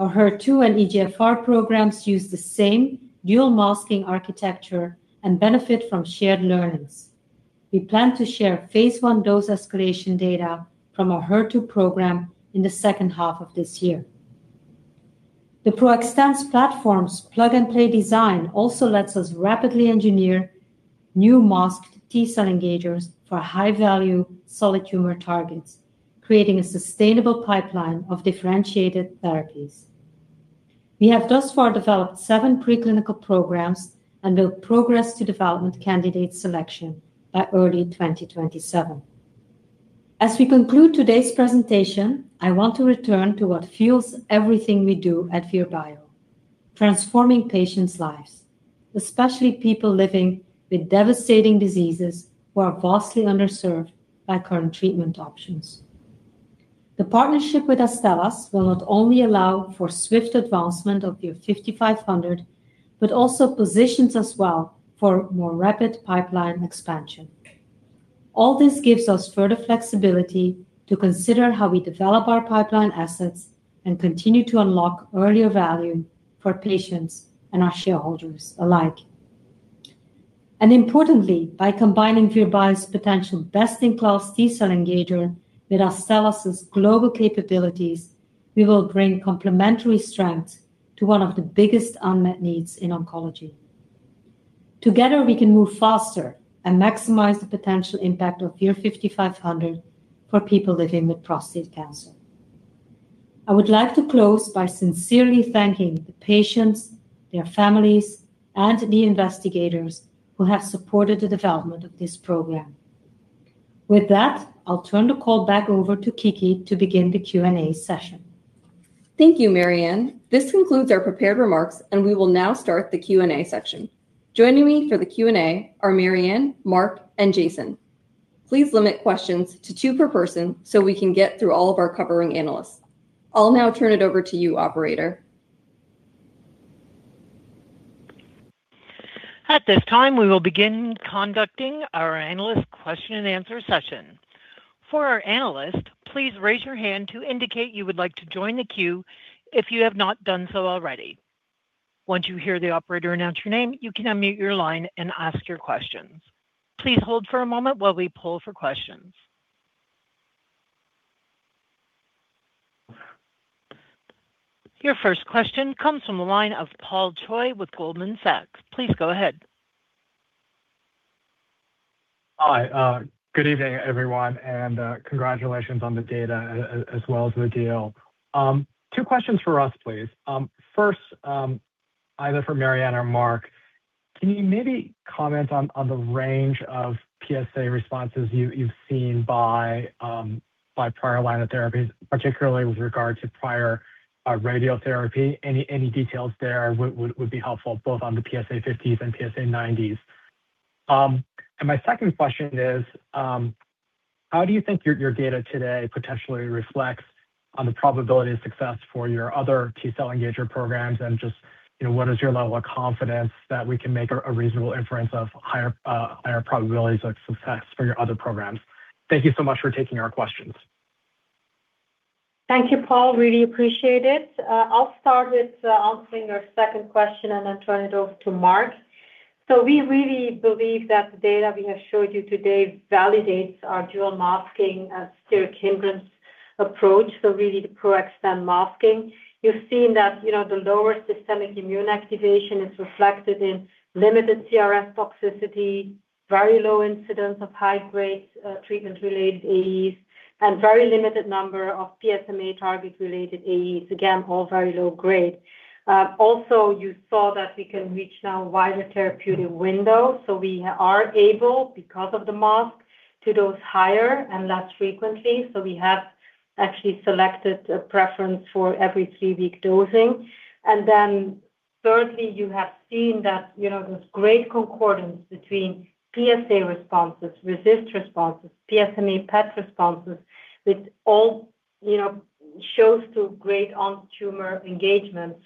Our HER2 and EGFR programs use the same dual masking architecture and benefit from shared learnings. We plan to share phase I dose escalation data from our HER2 program in the second half of this year. The PRO-XTEN platform's plug-and-play design also lets us rapidly engineer new masked T-cell engagers for high-value solid tumor targets, creating a sustainable pipeline of differentiated therapies. We have thus far developed seven preclinical programs and will progress to development candidate selection by early 2027. As we conclude today's presentation, I want to return to what fuels everything we do at Vir Biotechnology, transforming patients' lives, especially people living with devastating diseases who are vastly underserved by current treatment options. The partnership with Astellas Pharma will not only allow for swift advancement of VIR-5500, but also positions us well for more rapid pipeline expansion. All this gives us further flexibility to consider how we develop our pipeline assets and continue to unlock earlier value for patients and our shareholders alike. Importantly, by combining Vir Biotechnology's potential best-in-class T-cell engager with Astellas Pharma's global capabilities, we will bring complementary strengths to one of the biggest unmet needs in oncology. Together, we can move faster and maximize the potential impact of VIR-5500 for people living with prostate cancer. I would like to close by sincerely thanking the patients, their families, and the investigators who have supported the development of this program. With that, I'll turn the call back over to Kiki to begin the Q&A session. Thank you, Marianne. This concludes our prepared remarks, and we will now start the Q&A section. Joining me for the Q&A are Marianne, Mark, and Jason. Please limit questions to two per person so we can get through all of our covering analysts. I'll now turn it over to you, operator. At this time, we will begin conducting our analyst question and answer session. For our analysts, please raise your hand to indicate you would like to join the queue if you have not done so already. Once you hear the operator announce your name, you can unmute your line and ask your questions. Please hold for a moment while we poll for questions. Your first question comes from the line of Paul Choi with Goldman Sachs. Please go ahead. Hi. Good evening, everyone, congratulations on the data as well as the deal. Two questions for us, please. First, either for Marianne De Backer or Mark Eisner. Can you maybe comment on the range of PSA responses you've seen by prior line of therapies, particularly with regard to prior radiotherapy? Any details there would be helpful, both on the PSA50s and PSA90s. My second question is, how do you think your data today potentially reflects on the probability of success for your other T-cell engager programs? And just, you know, what is your level of confidence that we can make a reasonable inference of higher probabilities of success for your other programs? Thank you so much for taking our questions. Thank you, Paul. Really appreciate it. I'll start with answering your second question and then turn it over to Mark. We really believe that the data we have showed you today validates our dual masking, steric hindrance approach, so really the PRO-XTEN masking. You've seen that, you know, the lower systemic immune activation is reflected in limited CRS toxicity, very low incidence of high-grade treatment-related AEs, and very limited number of PSMA target-related AEs. Again, all very low grade. Also, you saw that we can reach now a wider therapeutic window, so we are able, because of the mask, to dose higher and less frequently. We have actually selected a preference for every three-week dosing. Thirdly, you have seen that, you know, there's great concordance between PSA responses, RECIST responses, PSMA PET responses, which all, you know, shows to great on tumor engagement.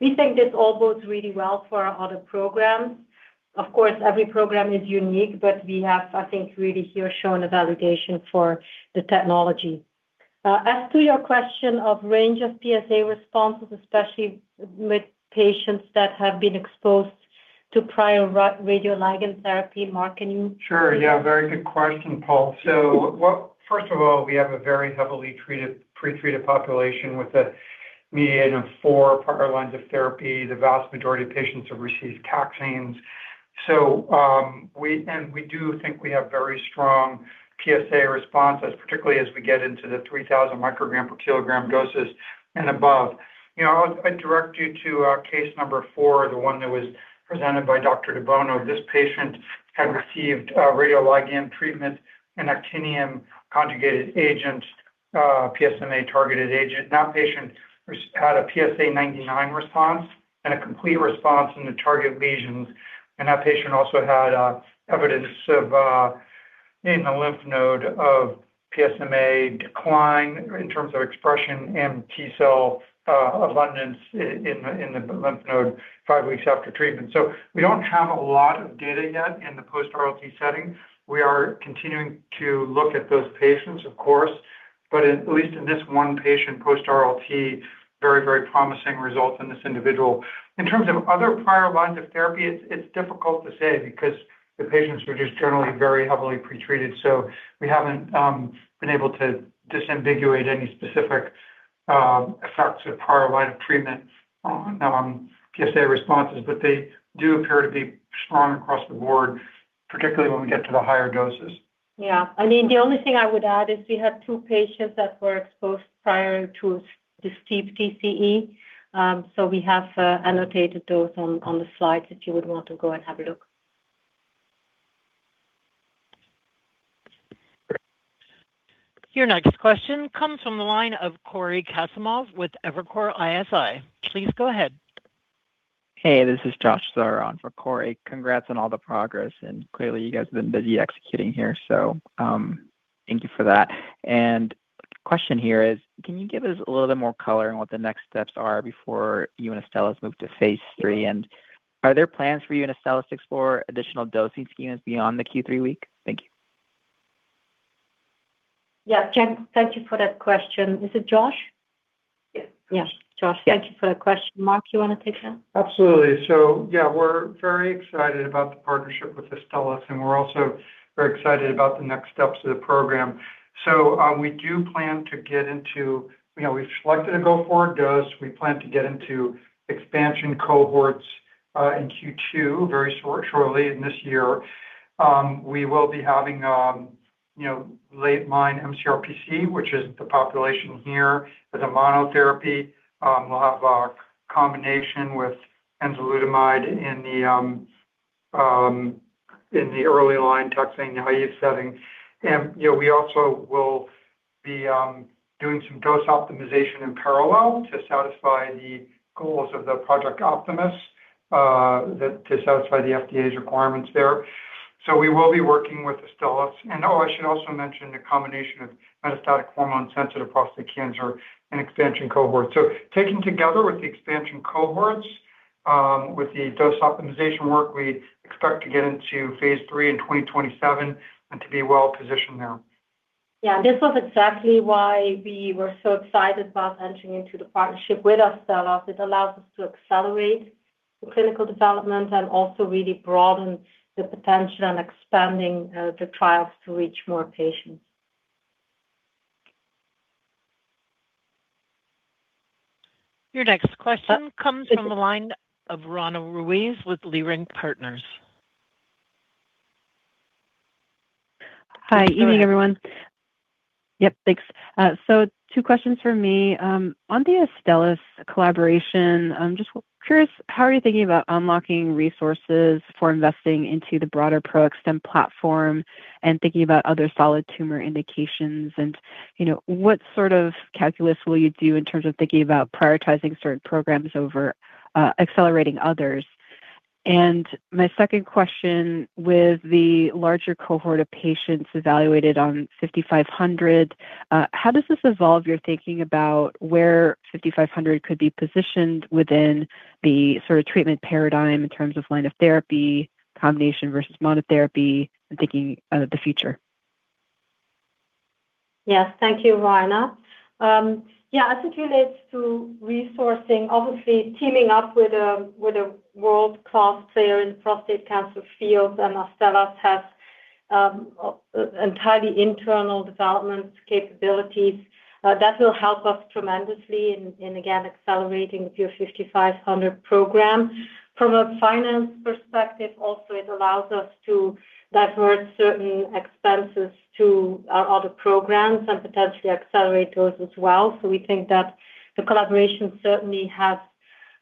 We think this all bodes really well for our other programs. Of course, every program is unique, but we have, I think, really here, shown a validation for the technology. As to your question of range of PSA responses, especially with patients that have been exposed to prior radioligand therapy, Mark, can you? Sure, yeah. Very good question, Paul. First of all, we have a very heavily treated, pretreated population with a median of four prior lines of therapy. The vast majority of patients have received taxanes. We do think we have very strong PSA responses, particularly as we get into the 3,000 microgram per kg doses and above. You know, I'll, I'd direct you to case number four, the one that was presented by Dr. de Bono. This patient had received radioligand treatment, an actinium conjugated agent, PSMA targeted agent. That patient had a PSA 99 response and a complete response in the target lesions, and that patient also had evidence of in the lymph node of PSMA decline in terms of expression and T cell abundance in the lymph node five weeks after treatment. We don't have a lot of data yet in the post-RLT setting. We are continuing to look at those patients, of course, but at least in this one patient, post-RLT, very, very promising results in this individual. In terms of other prior lines of therapy, it's, it's difficult to say because the patients were just generally very heavily pretreated, so we haven't been able to disambiguate any specific effects of prior line of treatment on PSA responses, but they do appear to be strong across the board, particularly when we get to the higher doses. Yeah. I mean, the only thing I would add is we had two patients that were exposed prior to the step-up TCE, so we have annotated those on, on the slides if you would want to go and have a look. Your next question comes from the line of Cory Kasimov with Evercore ISI. Please go ahead. Hey, this is Josh Schimmer for Cory Kasimov. Congrats on all the progress, clearly, you guys have been busy executing here, so, thank you for that. The question here is, can you give us a little bit more color on what the next steps are before you and Astellas move to phase III? Are there plans for you and Astellas to explore additional dosing schemes beyond the Q3 week? Thank you. Yeah, thank you for that question. Is it Josh? Yes. Yes, Josh, thank you for that question. Mark, you want to take that? Absolutely. Yeah, we're very excited about the partnership with Astellas, and we're also very excited about the next steps to the program. We do plan to get into- you know, we've selected a go-forward dose. We plan to get into expansion cohorts in Q2, shortly in this year. We will be having, you know, late-line mCRPC, which is the population here as a monotherapy. We'll have our combination with enzalutamide in the early line taxane naive setting. We also will be doing some dose optimization in parallel to satisfy the goals of the Project Optimus, that to satisfy the FDA's requirements there. We will be working with Astellas. Oh, I should also mention the combination of metastatic hormone-sensitive prostate cancer and expansion cohorts. Taking together with the expansion cohorts, with the dose optimization work, we expect to get into phase III in 2027 and to be well-positioned there. Yeah, this was exactly why we were so excited about entering into the partnership with Astellas. It allows us to accelerate the clinical development and also really broaden the potential and expanding the trials to reach more patients. Your next question comes from the line of Roanna Ruiz with Leerink Partners. Hi, evening, everyone. Yep, thanks. Two questions for me. On the Astellas collaboration, I'm just curious, how are you thinking about unlocking resources for investing into the broader PRO-XTEN platform and thinking about other solid tumor indications? You know, what sort of calculus will you do in terms of thinking about prioritizing certain programs over accelerating others? My second question: with the larger cohort of patients evaluated on VIR-5500, how does this evolve your thinking about where VIR-5500 could be positioned within the sort of treatment paradigm in terms of line of therapy, combination versus monotherapy, and thinking of the future? Yes. Thank you, Roanna. Yeah, as it relates to resourcing, obviously teaming up with a, with a world-class player in prostate cancer field, Astellas has entirely internal development capabilities that will help us tremendously in, in, again, accelerating the VIR-5500 program. From a finance perspective, also, it allows us to leverage certain expenses to our other programs and potentially accelerate those as well. We think that the collaboration certainly has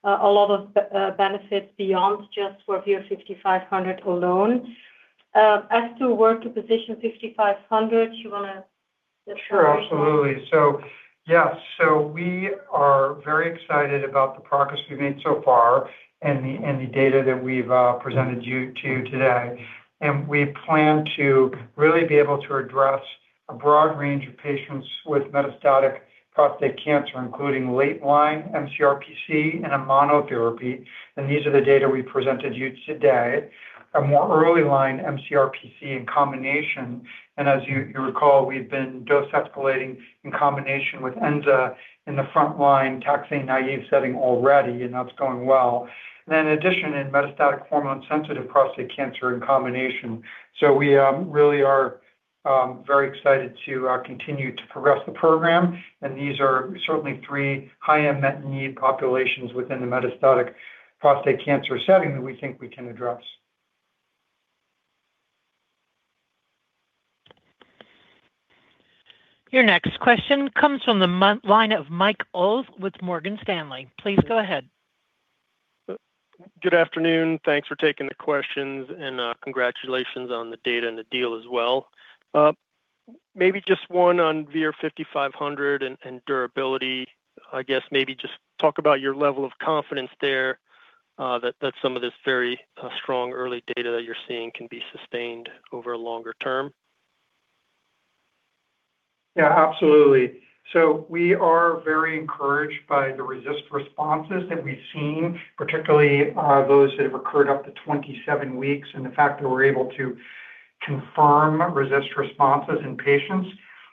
a lot of benefits beyond just for VIR-5500 alone. As to where to position 5500, you want to. Sure, absolutely. Yes. We are very excited about the progress we've made so far and the, and the data that we've presented you to today. We plan to really be able to address a broad range of patients with metastatic prostate cancer, including late-line mCRPC and a monotherapy. These are the data we presented you today, a more early line mCRPC in combination. As you, you recall, we've been dose-escalating in combination with Xtandi in the frontline taxane-naïve setting already, and that's going well. In addition, in metastatic hormone-sensitive prostate cancer in combination. We really are very excited to continue to progress the program. These are certainly three high unmet need populations within the metastatic prostate cancer setting that we think we can address. Your next question comes from the line of Michael Ulz with Morgan Stanley. Please go ahead. Good afternoon. Thanks for taking the questions, and congratulations on the data and the deal as well. Just one on VIR-5500 and, and durability. I guess maybe just talk about your level of confidence there, that some of this very strong early data that you're seeing can be sustained over a longer term. We are very encouraged by the RECIST responses that we've seen, particularly, those that have occurred up to 27 weeks and the fact that we're able to confirm RECIST responses in patients.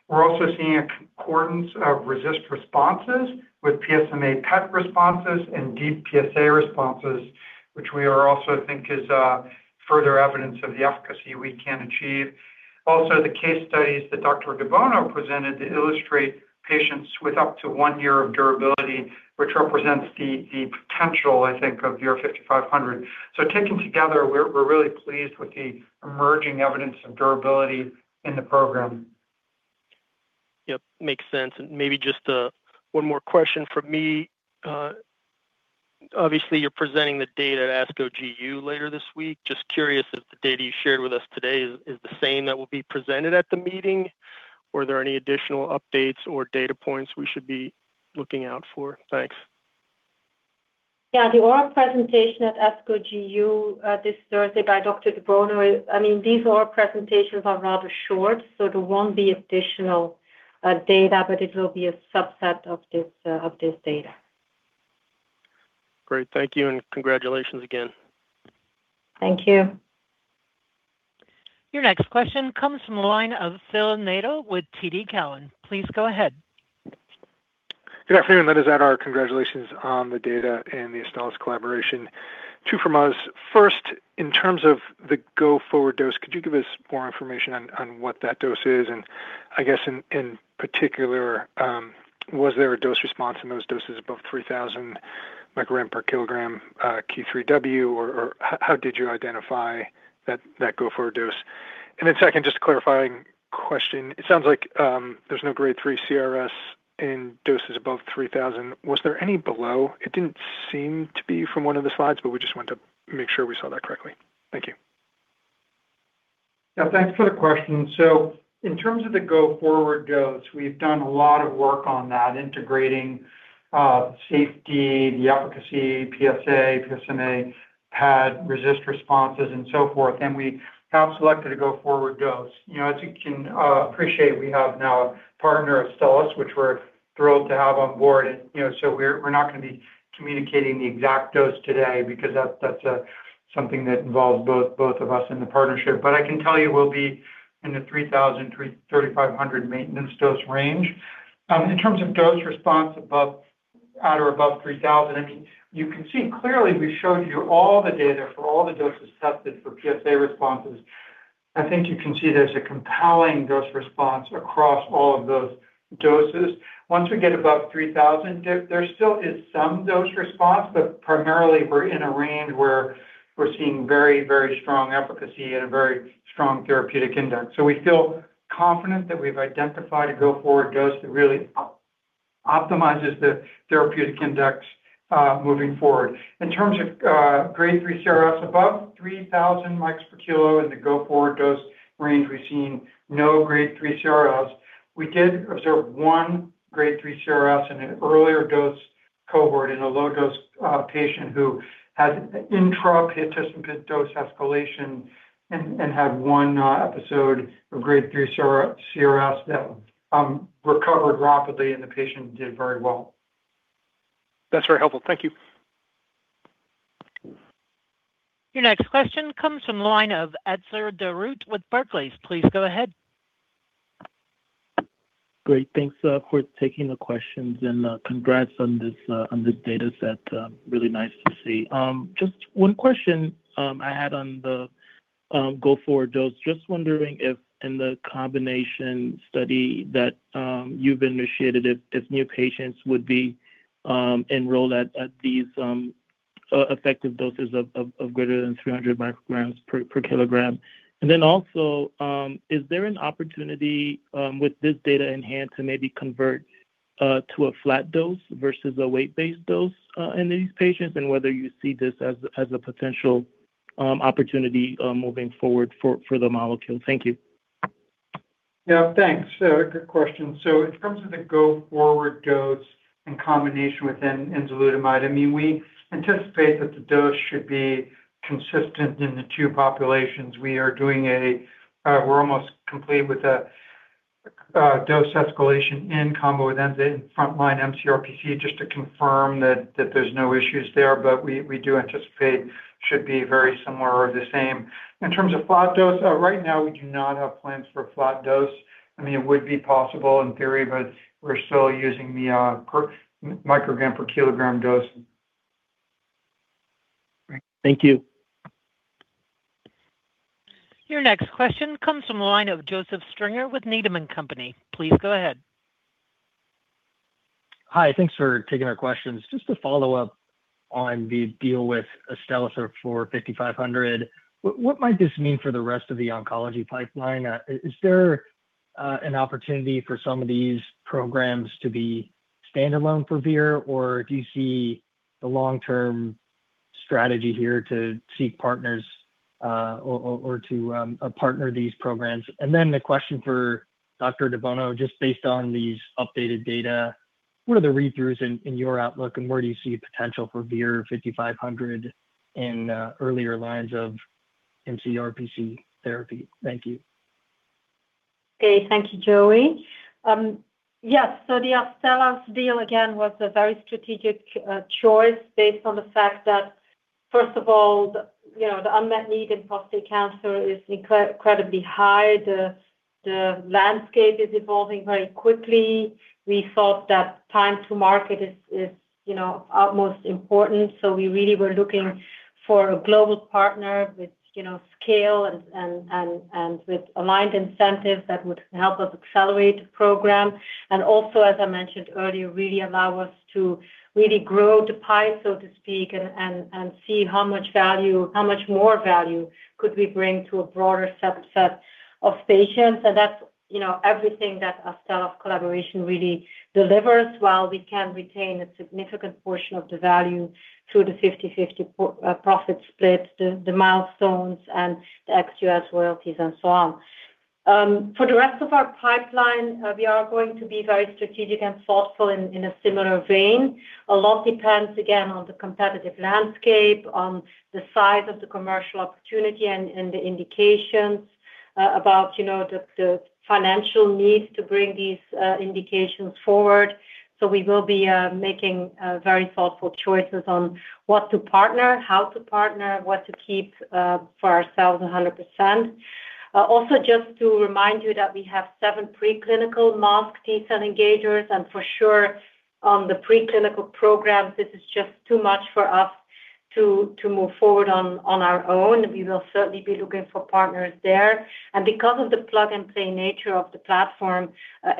We're also seeing a concordance of RECIST responses with PSMA PET responses and deep PSA responses, which we are also think is further evidence of the efficacy we can achieve. Also, the case studies that Dr. Debono presented illustrate patients with up to one-year of durability, which represents the, the potential, I think, of VIR-5500. Taken together, we're, we're really pleased with the emerging evidence of durability in the program. Yep, makes sense. Maybe just, one more question from me. Obviously, you're presenting the data at ASCO GU later this week. Just curious if the data you shared with us today is the same that will be presented at the meeting, or are there any additional updates or data points we should be looking out for? Thanks. Yeah. The oral presentation at ASCO GU this Thursday by Dr. de Bono, I mean, these oral presentations are rather short, so there won't be additional data, but it will be a subset of this of this data. Great. Thank you, and congratulations again. Thank you. Your next question comes from the line of Phil Nadeau with TD Cowen. Please go ahead. Good afternoon. Let us add our congratulations on the data and the Astellas collaboration. Two from us. First, in terms of the go-forward dose, could you give us more information on what that dose is? I guess in particular, was there a dose response in those doses above 3,000 milligram per kg Q3W, or how did you identify that go-forward dose? Second, just a clarifying question. It sounds like there's no grade 3 CRS in doses above 3,000. Was there any below? It didn't seem to be from one of the slides, but we just want to make sure we saw that correctly. Thank you. Yeah, thanks for the question. In terms of the go-forward dose, we've done a lot of work on that, integrating safety, the efficacy, PSA, PSMA, PAD, RECIST responses, and so forth, and we have selected a go-forward dose. You know, as you can appreciate, we have now a partner of Astellas, which we're thrilled to have on board. You know, so we're, we're not going to be communicating the exact dose today because that's, that's something that involves both, both of us in the partnership. I can tell you we'll be in the 3,000 to 3,500 maintenance dose range. In terms of dose response above-- at or above 3,000, I mean, you can see clearly, we showed you all the data for all the doses tested for PSA responses. I think you can see there's a compelling dose response across all of those doses. Once we get above 3,000, there still is some dose response, but primarily, we're in a range where we're seeing very, very strong efficacy and a very strong therapeutic index. We feel confident that we've identified a go-forward dose that really optimizes the therapeutic index moving forward. In terms of grade 3 CRS, above 3,000 mics per kilo in the go-forward dose range, we're seeing no grade 3 CRS. We did observe one grade 3 CRS in an earlier dose cohort in a low-dose patient who had intra-participant dose escalation and had 1 episode of grade 3 CRS, CRS that recovered rapidly, and the patient did very well. That's very helpful. Thank you. Your next question comes from the line of Gena Wang with Barclays. Please go ahead. Great. Thanks for taking the questions, and congrats on this on this data set. Really nice to see. Just one question I had on the go-forward dose. Just wondering if in the combination study that you've initiated, if new patients would be enrolled at these effective doses of greater than 300 micrograms per kg. And then also, is there an opportunity with this data in hand to maybe convert to a flat dose versus a weight-based dose in these patients, and whether you see this as a potential opportunity moving forward for the molecule? Thank you. Yeah, thanks. Good question. In terms of the go-forward dose in combination with enzalutamide, I mean, we anticipate that the dose should be consistent in the two populations. We're almost complete with a dose escalation in combo with enza in frontline mCRPC, just to confirm that there's no issues there, but we, we do anticipate should be very similar or the same. In terms of flat dose, right now, we do not have plans for a flat dose. I mean, it would be possible in theory, but we're still using the microgram per kg dose. Great. Thank you. Your next question comes from the line of Joseph Stringer with Needham & Company. Please go ahead. Hi, thanks for taking our questions. Just to follow up on the deal with Astellas for 5500, what might this mean for the rest of the oncology pipeline? Is there an opportunity for some of these programs to be standalone for VIR, or do you see the long-term strategy here to seek partners, or to partner these programs? And then the question for Dr. de Bono, just based on these updated data, what are the read-throughs in your outlook, and where do you see potential for VIR-5500 in earlier lines of mCRPC therapy? Thank you. Okay. Thank you, Joseph. Yes, the Astellas deal, again, was a very strategic choice based on the fact that, first of all, the, you know, the unmet need in prostate cancer is incredibly high. The, the landscape is evolving very quickly. We thought that time to market is, is, you know, utmost important. We really were looking for a global partner with, you know, scale and with aligned incentives that would help us accelerate the program. Also, as I mentioned earlier, really allow us to really grow the pie, so to speak, and see how much value, how much more value could we bring to a broader subset of patients. That's, you know, everything that Astellas collaboration really delivers, while we can retain a significant portion of the value through the 50/50 profit split, the milestones and the ex-U.S. royalties and so on. For the rest of our pipeline, we are going to be very strategic and thoughtful in a similar vein. A lot depends, again, on the competitive landscape, on the size of the commercial opportunity and the indications, about, you know, the financial needs to bring these indications forward. We will be making very thoughtful choices on what to partner, how to partner, what to keep for ourselves 100%. Also, just to remind you that we have seven preclinical masked T-cell engagers, for sure, on the preclinical programs, this is just too much for us to, to move forward on, on our own. We will certainly be looking for partners there. Because of the plug-and-play nature of the platform,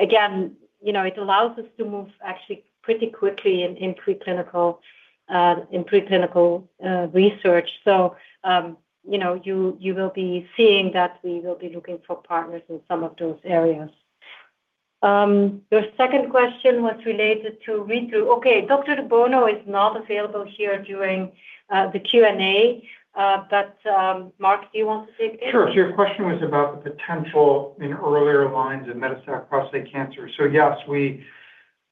again, you know, it allows us to move actually pretty quickly in, in preclinical, in preclinical, research. You know, you, you will be seeing that we will be looking for partners in some of those areas. Your second question was related to read-through. Okay, Dr. de Bono is not available here during the Q&A, but, Mark, do you want to take it? Sure. Your question was about the potential in earlier lines of metastatic prostate cancer. Yes, we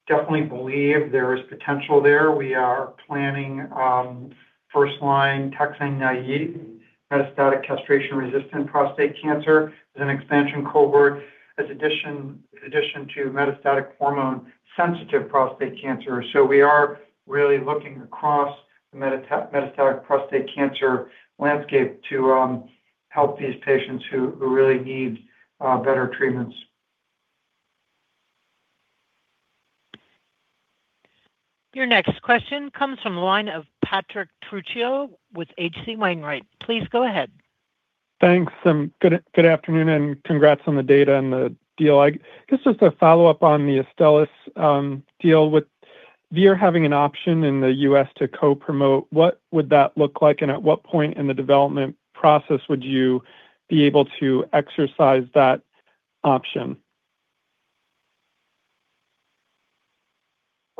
definitely believe there is potential there. We are planning first-line taxane-naïve metastatic castration-resistant prostate cancer as an expansion cohort, as addition to metastatic hormone-sensitive prostate cancer. We are really looking across the metastatic prostate cancer landscape to help these patients who really need better treatments. Your next question comes from the line of Patrick Trucchio with H.C. Wainwright. Please go ahead. Thanks, and good, good afternoon, and congrats on the data and the deal. Like, just, just a follow-up on the Astellas deal. With Vir having an option in the U.S. to co-promote, what would that look like, and at what point in the development process would you be able to exercise that option?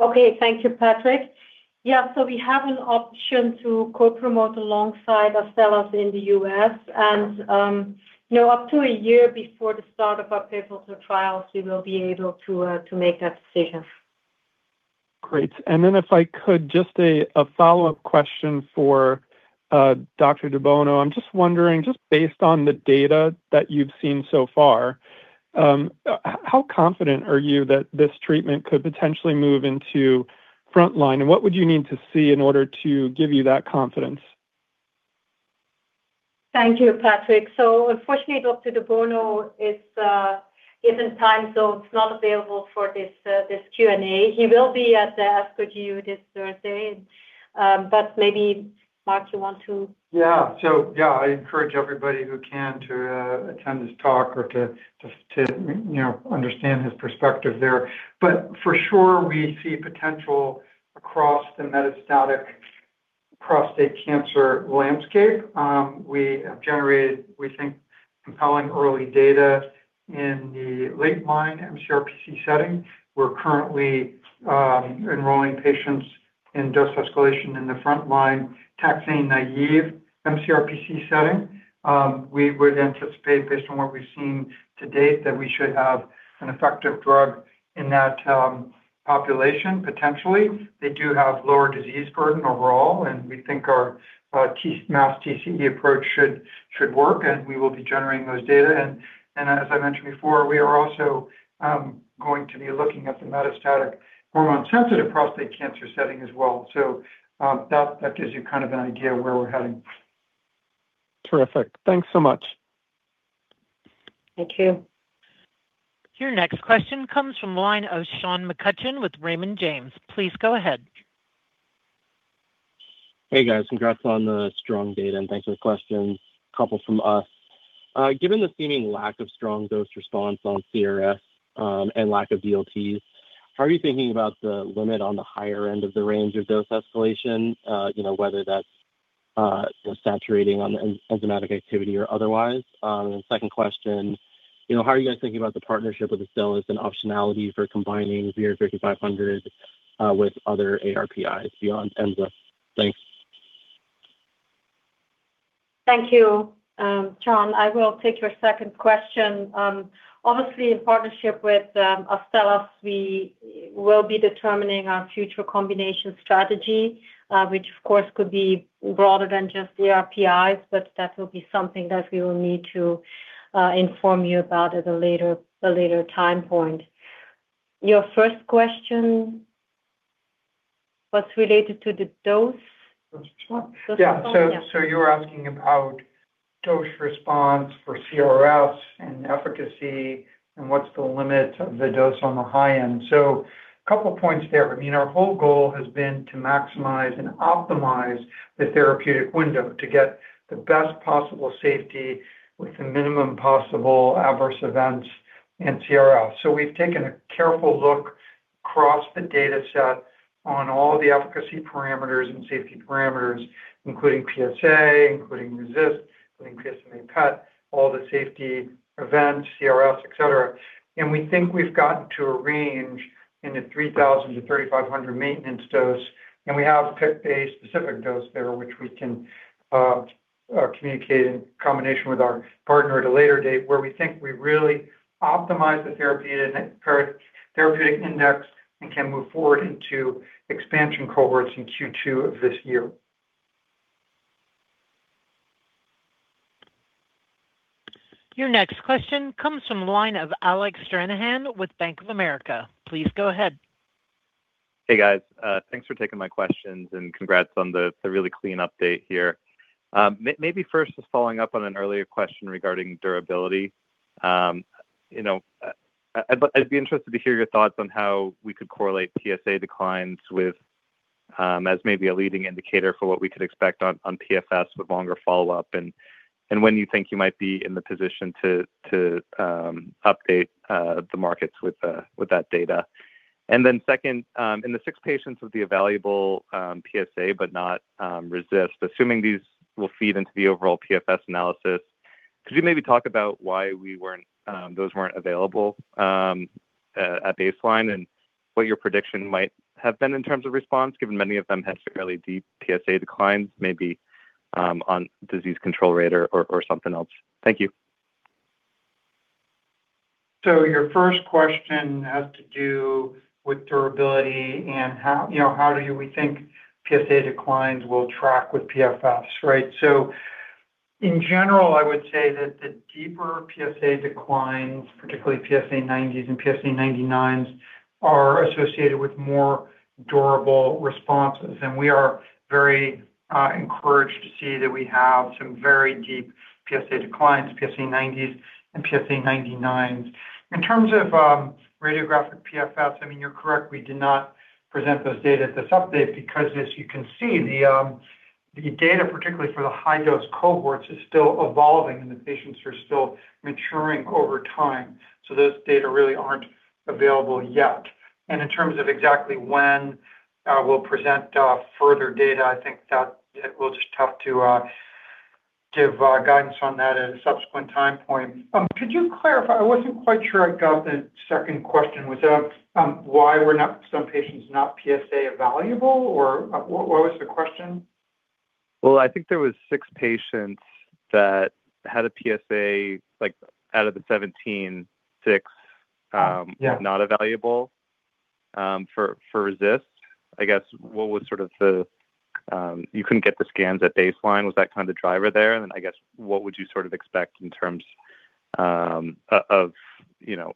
Okay. Thank you, Patrick. We have an option to co-promote alongside Astellas in the U.S., and, you know, up to a year before the start of our pivotal two trials, we will be able to make that decision. Great. Then if I could, just a, a follow-up question for, Dr. de Bono. I'm just wondering, just based on the data that you've seen so far, how confident are you that this treatment could potentially move into frontline, and what would you need to see in order to give you that confidence? Thank you, Patrick. Unfortunately, Dr. de Bono is isn't time, so he's not available for this Q&A. He will be at the ASCO GU this Thursday, maybe, Mark, you want to. Yeah. Yeah, I encourage everybody who can to attend his talk or to, just to, you know, understand his perspective there. For sure, we see potential across the metastatic prostate cancer landscape. We have generated, we think, compelling early data in the late-line mCRPC setting. We're currently enrolling patients in dose escalation in the frontline taxane-naive mCRPC setting. We would anticipate, based on what we've seen to date, that we should have an effective drug in that population, potentially. They do have lower disease burden overall, and we think our mass TCE approach should, should work, and we will be generating those data. As I mentioned before, we are also going to be looking at the metastatic hormone-sensitive prostate cancer setting as well. That, that gives you kind of an idea where we're heading. Terrific. Thanks so much. Thank you. Your next question comes from the line of Sean McCutcheon with Raymond James. Please go ahead. Hey, guys. Congrats on the strong data, and thanks for the questions. A couple from us. Given the seeming lack of strong dose response on CRS, and lack of DLTs, how are you thinking about the limit on the higher end of the range of dose escalation? you know, whether that's, just saturating on the en- enzymatic activity or otherwise. Second question, you know, how are you guys thinking about the partnership with Astellas and optionality for combining VIR-5500, with other ARPIs beyond Enza? Thanks. Thank you, Sean. I will take your second question. Obviously, in partnership with Astellas, we will be determining our future combination strategy, which of course, could be broader than just the ARPIs, but that will be something that we will need to inform you about at a later, a later time point. Your first question was related to the dose? Dose response. Dose response, yeah. You were asking about dose response for CRS and efficacy and what's the limit of the dose on the high end. A couple points there. I mean, our whole goal has been to maximize and optimize the therapeutic window to get the best possible safety with the minimum possible adverse events in CRS. We've taken a careful look across the data set on all the efficacy parameters and safety parameters, including PSA, including RECIST, including, all the safety events, CRS, etc.. We think we've gotten to a range in the 3,000-3,500 maintenance dose, and we have picked a specific dose there, which we can communicate in combination with our partner at a later date, where we think we really optimize the therapeutic and therapeutic index and can move forward into expansion cohorts in Q2 of this year. Your next question comes from the line of Alec Stranahan with Bank of America. Please go ahead. Hey, guys. Thanks for taking my questions, and congrats on the really clean update here. Maybe first, just following up on an earlier question regarding durability, you know, I'd be interested to hear your thoughts on how we could correlate PSA declines with, as maybe a leading indicator for what we could expect on PFS with longer follow-up and when you think you might be in the position to update the markets with that data? Second, in the 6 patients with the evaluable PSA, but not RECIST, assuming these will feed into the overall PFS analysis, could you maybe talk about why those weren't available at baseline, and what your prediction might have been in terms of response, given many of them had fairly deep PSA declines, maybe on disease control rate or, or, or something else? Thank you. Your first question has to do with durability and how, you know, how we think PSA declines will track with PFS, right? In general, I would say that the deeper PSA declines, particularly PSA90s and PSA99s, are associated with more durable responses, and we are very encouraged to see that we have some very deep PSA declines, PSA90s and PSA99s. In terms of radiographic PFS, I mean, you're correct, we did not present those data at this update because, as you can see, the data, particularly for the high-dose cohorts, is still evolving and the patients are still maturing over time. Those data really aren't available yet. In terms of exactly when, we'll present further data, I think that it will just have to give guidance on that at a subsequent time point. Could you clarify? I wasn't quite sure I got the second question. Was that, why were not some patients not PSA evaluable, or, what, what was the question? Well, I think there was six patients that had a PSA, like, out of the 17, six. Yeah Not evaluable, for, for RECIST. I guess what was sort of the, you couldn't get the scans at baseline. Was that kind of the driver there? Then I guess, what would you sort of expect in terms of, you know,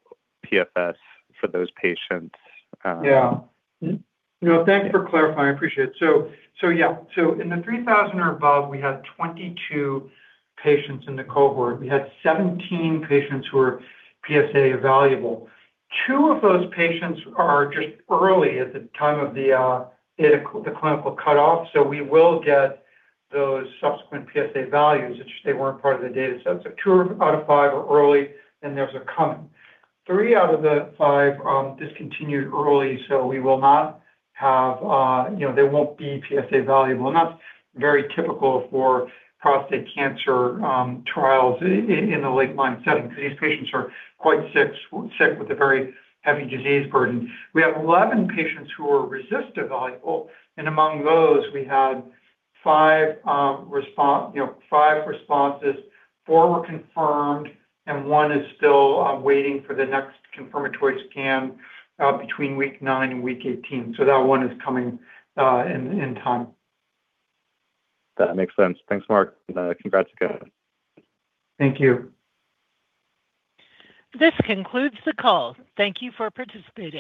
PFS for those patients? Yeah. Mm-hmm. No, thank you for clarifying. I appreciate it. So yeah. In the 3,000 or above, we had 22 patients in the cohort. We had 17 patients who were PSA evaluable. two of those patients are just early at the time of the, the clinical cutoff, so we will get those subsequent PSA values. It's just they weren't part of the data set. So two out of five are early, and there's a coming. three out of the five discontinued early, so we will not have, you know, they won't be PSA evaluable. And that's very typical for prostate cancer trials in the late-line setting, because these patients are quite sick, sick with a very heavy disease burden. We have 11 patients who are RECIST evaluable, and among those, we had five response, you know, five responses. Four were confirmed, and one is still waiting for the next confirmatory scan between week nine and week 18. That one is coming in time. That makes sense. Thanks, Mark, and, congrats again. Thank you. This concludes the call. Thank you for participating.